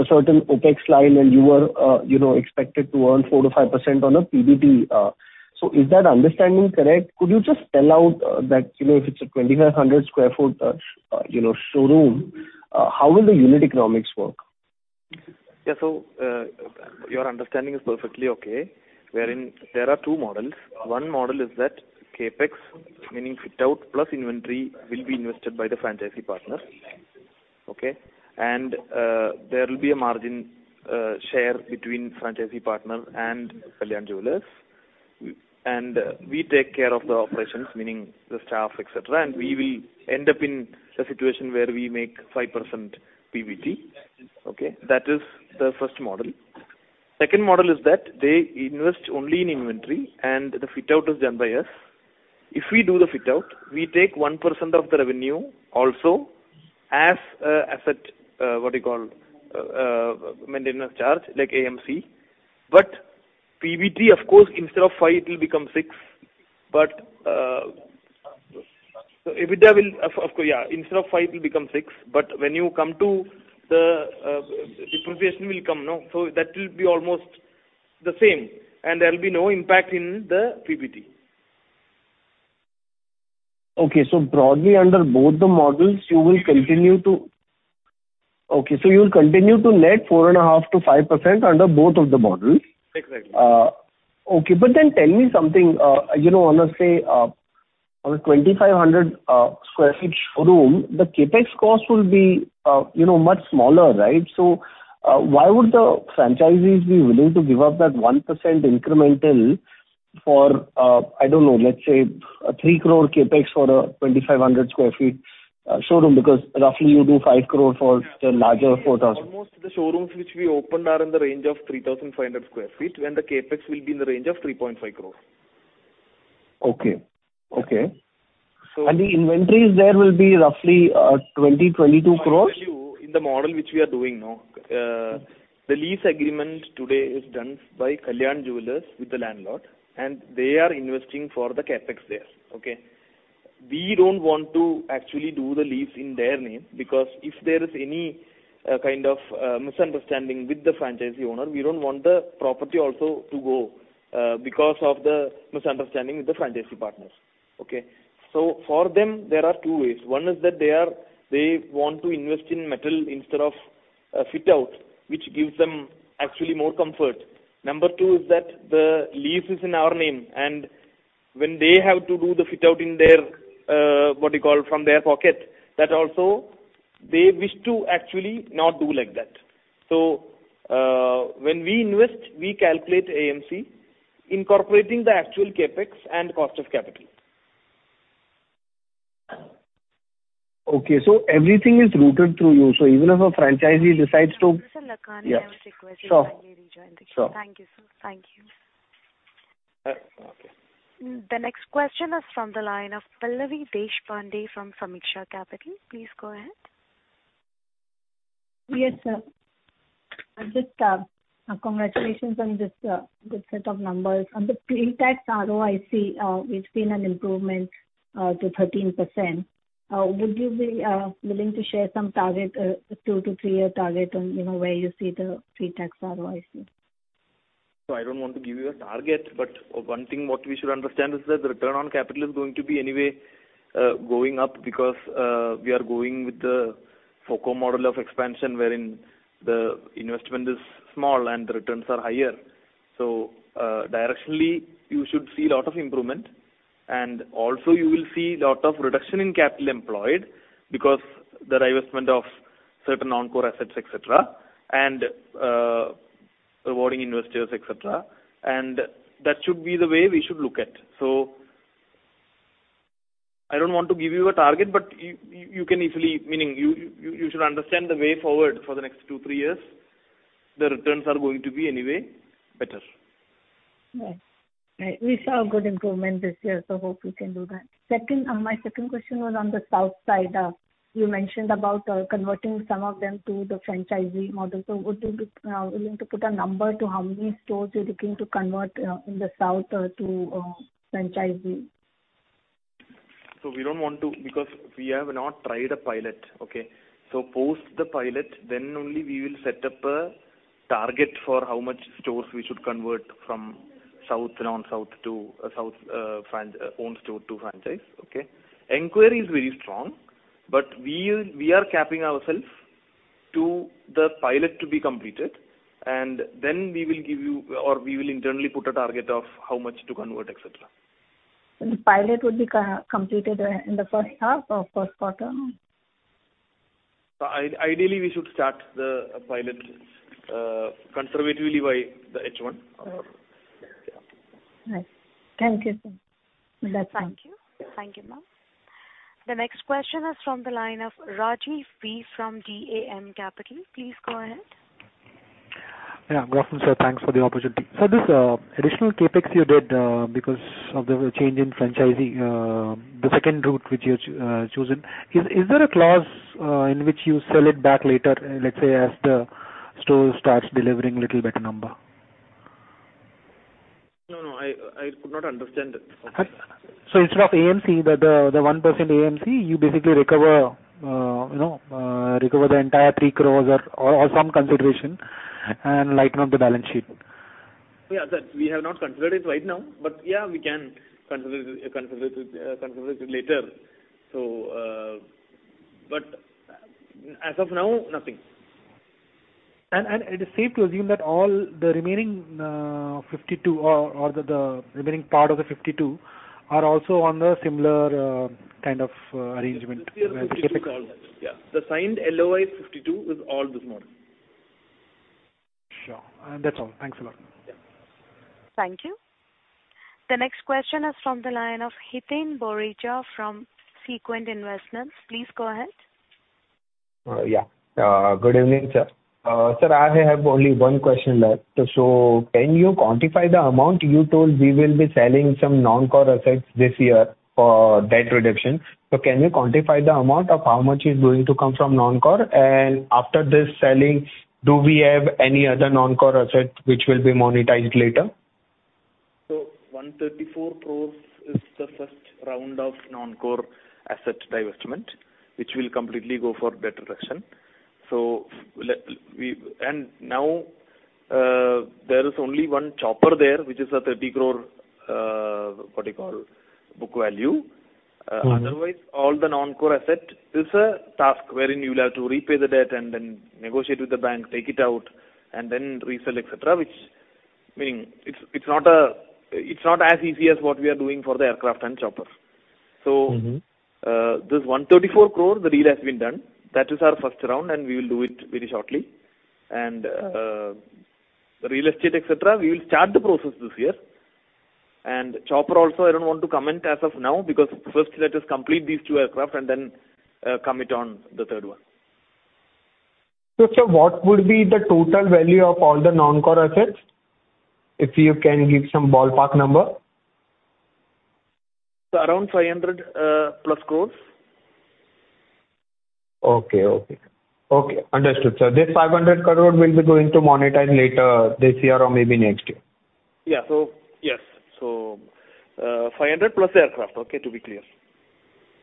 N: a certain OpEx line and you were, you know, expected to earn 4%-5% on a PBT. Is that understanding correct? Could you just spell out, that, you know, if it's a 2,500 sq ft, You know, showroom, how will the unit economics work?
C: Yeah. Your understanding is perfectly okay. Wherein there are 2 models. One model is that CapEx, meaning fit-out plus inventory, will be invested by the franchise partner. Okay? There will be a margin, share between franchise partner and Kalyan Jewellers. We take care of the operations, meaning the staff, et cetera, and we will end up in a situation where we make 5% PBT. Okay? That is the first model. Second model is that they invest only in inventory, and the fit-out is done by us. If we do the fit-out, we take 1% of the revenue also as a, as a, what do you call, maintenance charge, like AMC. PBT, of course, instead of 5 it will become 6. EBITDA will of course, yeah, instead of 5 it will become 6. When you come to the depreciation will come, no? That will be almost the same, and there'll be no impact in the PBT.
N: You'll continue to net 4.5%-5% under both of the models.
C: Exactly.
N: Okay. Tell me something, you know, on a, say, on a 2,500 sq ft showroom, the CapEx cost will be, you know, much smaller, right? Why would the franchisees be willing to give up that 1% incremental for, I don't know, let's say 3 crore CapEx for a 2,500 sq ft showroom, because roughly you do 5 crore for the larger 4,000 sq ft?
C: Almost the showrooms which we opened are in the range of 3,500 sq ft, and the CapEx will be in the range of 3.5 crores.
N: Okay. Okay.
C: So-
N: The inventories there will be roughly 20-22 crores?
C: I'll tell you, in the model which we are doing now, the lease agreement today is done by Kalyan Jewellers with the landlord, and they are investing for the CapEx there. Okay? We don't want to actually do the lease in their name, because if there is any kind of misunderstanding with the franchisee owner, we don't want the property also to go because of the misunderstanding with the franchisee partners. Okay? For them, there are two ways. One is that they want to invest in metal instead of a fit-out, which gives them actually more comfort. Number two is that the lease is in our name, and when they have to do the fit-out in their, what do you call, from their pocket, that also they wish to actually not do like that. When we invest, we calculate AMC incorporating the actual CapEx and cost of capital.
N: Okay, everything is rooted through you. Even if a franchisee.
A: Mr. Lakhani
N: Yeah.
A: has requested
N: Sure.
A: to kindly rejoin the queue.
N: Sure.
A: Thank you, sir. Thank you.
N: Okay.
A: The next question is from the line of Pallavi Deshpande from Sameeksha Capital. Please go ahead.
O: Yes, sir. Just congratulations on this good set of numbers. On the pre-tax ROIC, we've seen an improvement to 13%. Would you be willing to share some target, 2 to 3-year target on, you know, where you see the pre-tax ROIC?
C: I don't want to give you a target, but one thing what we should understand is that the return on capital is going to be anyway going up because we are going with the FOCO model of expansion, wherein the investment is small and the returns are higher. Directionally, you should see lot of improvement, and also you will see lot of reduction in capital employed because the divestment of certain non-core assets, et cetera, and rewarding investors, et cetera. That should be the way we should look at. I don't want to give you a target, but you can easily... meaning you should understand the way forward for the next two, three years, the returns are going to be anyway better.
O: Right. Right. We saw a good improvement this year, Hope you can do that. Second, my second question was on the south side. You mentioned about converting some of them to the franchisee model. Would you be willing to put a number to how many stores you're looking to convert in the south to franchisee?
C: We don't want to because we have not tried a pilot. Okay? Post the pilot, then only we will set up a target for how much stores we should convert from South and Non-South to South own store to franchise. Okay? Inquiry is very strong, we are capping ourself to the pilot to be completed and then we will give you, or we will internally put a target of how much to convert, et cetera.
O: The pilot would be co-completed, in the first half or first quarter?
C: Ideally, we should start the pilot, conservatively by the H1.
O: All right.
C: Yeah.
O: Right. Thank you, sir. That's all.
A: Thank you. Thank you, ma'am. The next question is from the line of Rajiv V. from DAM Capital. Please go ahead.
P: Yeah. Good afternoon, sir. Thanks for the opportunity. This additional CapEx you did because of the change in franchisee, the second route which you chosen, is there a clause in which you sell it back later, let's say as the store starts delivering little better number?
C: No. I could not understand it. Okay.
P: Instead of AMC, the 1% AMC, you basically recover, you know, recover the entire 3 crores or some consideration and lighten up the balance sheet.
C: Yeah, that we have not considered it right now, but yeah, we can consider it later. As of now, nothing.
P: It is safe to assume that all the remaining, 52 or the remaining part of the 52 are also on the similar, kind of, arrangement.
C: Yes. Yeah. The signed LOI 52 is all this model.
P: Sure. That's all. Thanks a lot.
C: Yeah.
A: Thank you. The next question is from the line of Hiten Boricha from Sequent Investments. Please go ahead.
Q: Yeah. Good evening, sir. Sir, I have only one question left. Can you quantify the amount you told we will be selling some non-core assets this year for debt reduction? Can you quantify the amount of how much is going to come from non-core? After this selling, do we have any other non-core asset which will be monetized later?
C: 134 crore is the first round of non-core asset divestment, which will completely go for debt reduction. Now, there is only one chopper there, which is a 30 crore, what do you call, book value.
Q: Mm-hmm.
C: Otherwise, all the non-core asset is a task wherein you will have to repay the debt and then negotiate with the bank, take it out, and then resell, et cetera, which meaning It's not as easy as what we are doing for the aircraft and chopper.
Q: Mm-hmm.
C: This 134 crore, the deal has been done. That is our first round, and we will do it very shortly. Real estate, et cetera, we will start the process this year. Chopper also, I don't want to comment as of now because first let us complete these 2 aircraft and then comment on the third one.
Q: Sir, what would be the total value of all the non-core assets, if you can give some ballpark number?
C: Around 500+ crores.
Q: Okay. Okay. Okay. Understood, sir. This 500 crore will be going to monetize later this year or maybe next year.
C: Yeah. Yes. 500+ crore aircraft, okay, to be clear.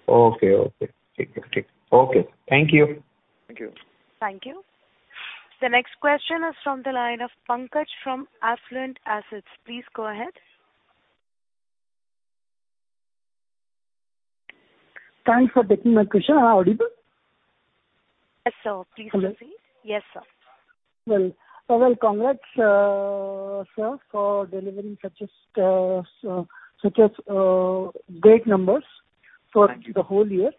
Q: Okay. Okay. Take it. Okay. Thank you.
C: Thank you.
A: Thank you. The next question is from the line of Pankaj from Affluent Assets. Please go ahead.
R: Thanks for taking my question. Am I audible?
A: Yes, sir. Please proceed.
R: Okay.
A: Yes, sir.
R: Well, congrats, sir, for delivering such a great numbers.
C: Thank you.
R: for the whole year.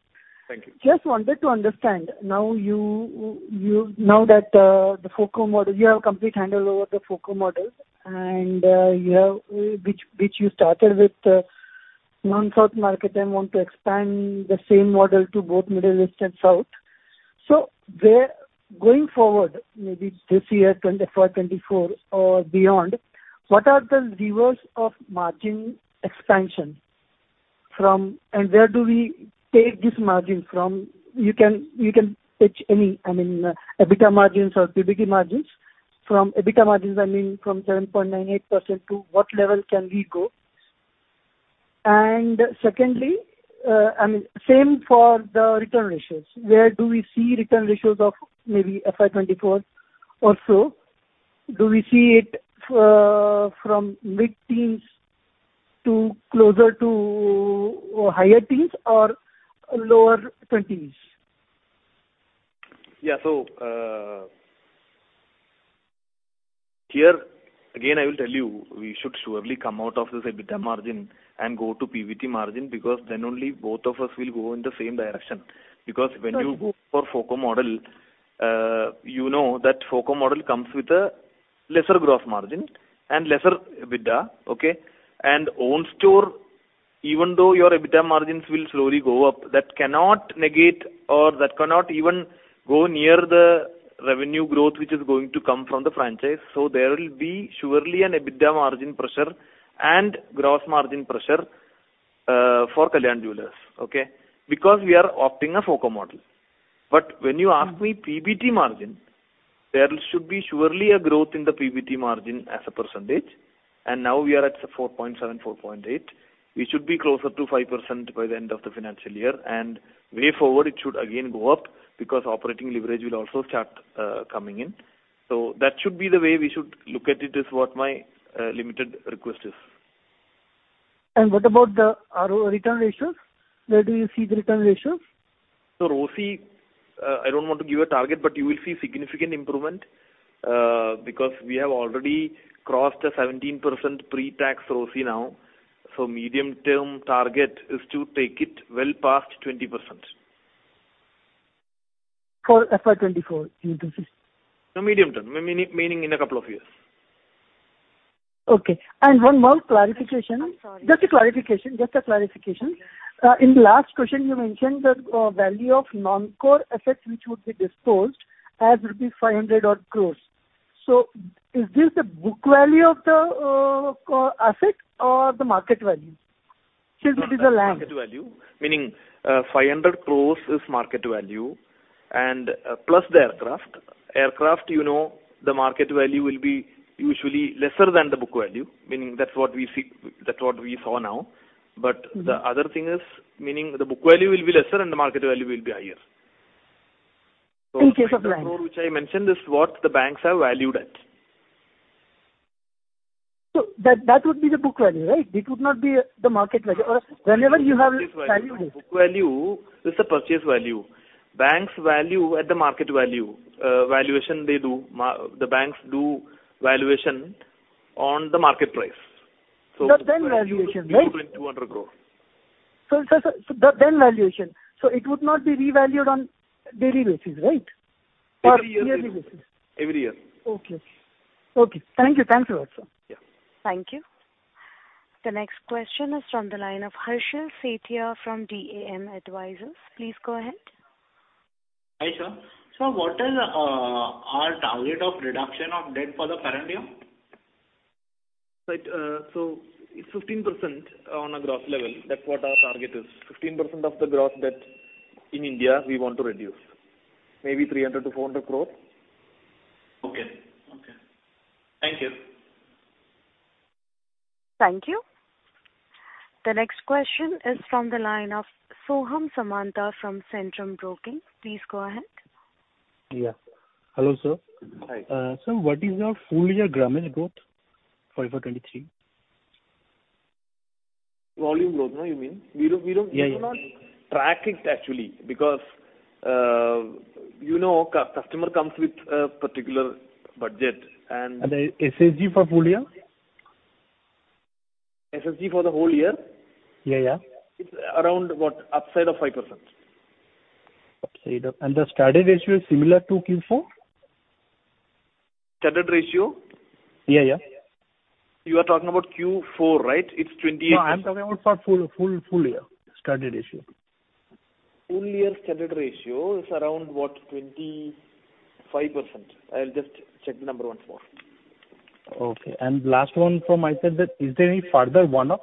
C: Thank you.
R: Just wanted to understand. Now that the FOCO model, you have complete handle over the FOCO model and you have which you started with non-South market and want to expand the same model to both Middle East and South. Going forward, maybe this year, 2024 or beyond, what are the levers of margin expansion from? Where do we take this margin from? You can, you can pitch any, I mean, EBITDA margins or PBT margins. From EBITDA margins, I mean from 7.98% to what level can we go? Secondly, I mean, same for the return ratios. Where do we see return ratios of maybe FY 2024 or so? Do we see it from mid-teens to closer to higher teens or lower twenties?
C: Yeah. Here again, I will tell you, we should surely come out of this EBITDA margin and go to PBT margin because then only both of us will go in the same direction. Because when you go for FOCO model, you know that FOCO model comes with a lesser gross margin and lesser EBITDA. Okay. Own store, even though your EBITDA margins will slowly go up, that cannot negate or that cannot even go near the revenue growth which is going to come from the franchise. There will be surely an EBITDA margin pressure and gross margin pressure for Kalyan Jewellers. Okay. Because we are opting a FOCO model. When you ask me PBT margin, there should be surely a growth in the PBT margin as a %. Now we are at 4.7%, 4.8%. We should be closer to 5% by the end of the financial year. Way forward it should again go up because operating leverage will also start coming in. That should be the way we should look at it, is what my limited request is.
R: What about the return ratios? Where do you see the return ratios?
C: ROCE, I don't want to give a target, but you will see significant improvement, because we have already crossed a 17% pre-tax ROCE now. Medium-term target is to take it well past 20%.
R: For FY 2024 you mean to say?
C: No, medium-term. meaning in a couple of years.
R: Okay. One more clarification.
A: I'm sorry.
R: Just a clarification.
A: Yeah.
R: In the last question you mentioned the value of non-core assets which would be disposed as rupees 500 odd crores. Is this the book value of the core asset or the market value? Excuse me, the land.
C: Market value. Meaning, 500 crores is market value and, plus the aircraft. Aircraft, you know, the market value will be usually lesser than the book value. Meaning that's what we see, that's what we saw now.
R: Mm-hmm.
C: The other thing is, meaning the book value will be lesser and the market value will be higher.
I: In case of
C: The crore which I mentioned is what the banks have valued at.
I: That would be the book value, right? It would not be the market value. Whenever you have valued it.
C: Book value is the purchase value. Banks value at the market value. Valuation they do. The banks do valuation on the market price. Crore.
I: Sir. The then valuation. It would not be revalued on daily basis, right?
C: Every year.
I: Yearly basis.
C: Every year.
I: Okay. Okay. Thank you. Thanks a lot, sir.
C: Yeah.
A: Thank you. The next question is from the line of Harshal Sethia from DAM Advisors. Please go ahead.
S: Hi, sir. Sir, what is our target of reduction of debt for the current year?
C: Right. It's 15% on a gross level. That's what our target is. 15% of the gross debt in India we want to reduce. Maybe 300 crore-400 crore.
S: Okay. Okay. Thank you.
A: Thank you. The next question is from the line of Soham Samanta from Centrum Broking. Please go ahead.
T: Yeah. Hello, sir.
C: Hi.
T: Sir, what is your full year grammage growth for 2023?
C: Volume growth now you mean? We don't.
T: Yeah, yeah.
C: We do not track it actually because, you know, customer comes with a particular budget.
T: The SSG for full year?
C: SSG for the whole year?
T: Yeah, yeah.
C: It's around, what? Upside of 5%.
T: Upside up. The studded ratio is similar to Q4?
C: Standard ratio?
T: Yeah, yeah.
C: You are talking about Q4, right?
T: No, I'm talking about for full year standard ratio.
C: Full year standard ratio is around, what? 25%. I'll just check the number once more.
T: Okay. Last one from my side, that is there any further one-off?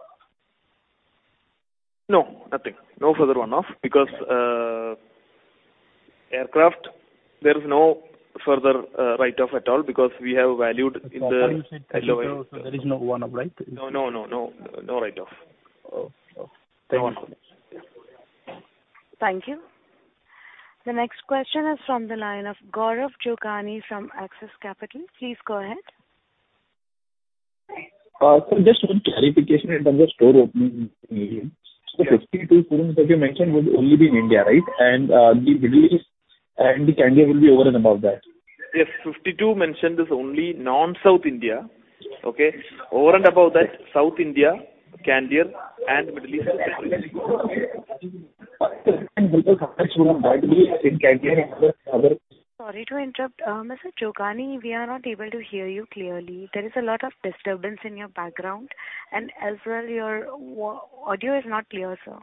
C: No, nothing. No further one-off because, aircraft there is no further, write-off at all because we have valued in the lower-
T: There is no one-off, right?
C: No, no, no. No write-off.
T: Oh. Thank you.
C: Yeah.
A: Thank you. The next question is from the line of Gaurav Jogani from Axis Capital. Please go ahead.
I: Just one clarification in terms of store opening in India.
C: Yes.
I: 52 stores that you mentioned would only be in India, right? And the Middle East and the Candere will be over and above that.
C: Yes. 52 mentioned is only non-South India. Okay? Over and above that, South India, Candere and Middle East.
A: Sorry to interrupt. Mr. Jogani, we are not able to hear you clearly. There is a lot of disturbance in your background and as well your audio is not clear, sir.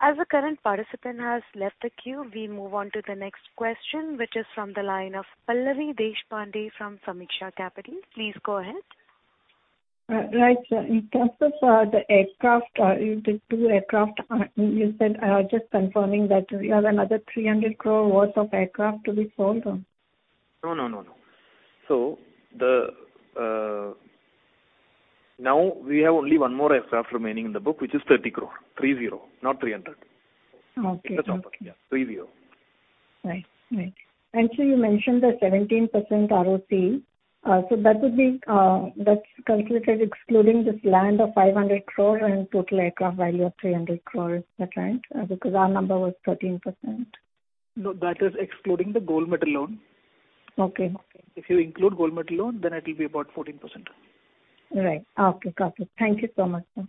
A: As the current participant has left the queue, we move on to the next question, which is from the line of Pallavi Deshpande from Sameeksha Capital. Please go ahead.
O: Right, sir. In terms of the aircraft, the two aircraft, you said, I was just confirming that you have another 300 crore worth of aircraft to be sold?
C: No, no, no. Now we have only one more aircraft remaining in the book, which is 30 crore. 30, not 300.
O: Okay.
C: In the chopper. Yeah. 30.
O: Right. Right. You mentioned the 17% ROCE. That would be, that's calculated excluding this land of 500 crore and total aircraft value of 300 crore, is that right? Our number was 13%.
C: No, that is excluding the gold metal loan.
O: Okay. Okay.
C: If you include gold metal loan, then it will be about 14%.
O: Right. Okay. Got it. Thank you so much, sir.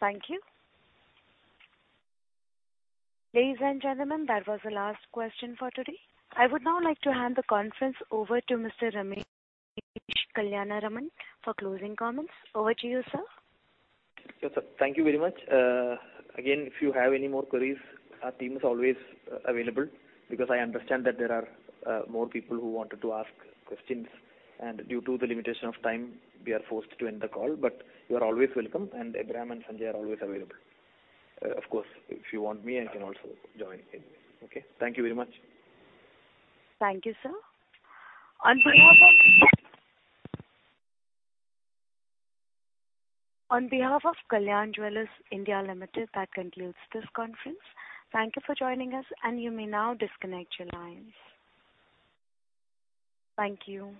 A: Thank you. Ladies and gentlemen, that was the last question for today. I would now like to hand the conference over to Mr. Ramesh Kalyanaraman for closing comments. Over to you, sir.
C: Yes, thank you very much. Again, if you have any more queries, our team is always available because I understand that there are more people who wanted to ask questions, and due to the limitation of time, we are forced to end the call. You are always welcome, and Abraham and Sanjay are always available. Of course, if you want me, I can also join in. Okay. Thank you very much.
A: Thank you, sir. On behalf of Kalyan Jewellers India Limited, that concludes this conference. Thank you for joining us, and you may now disconnect your lines. Thank you.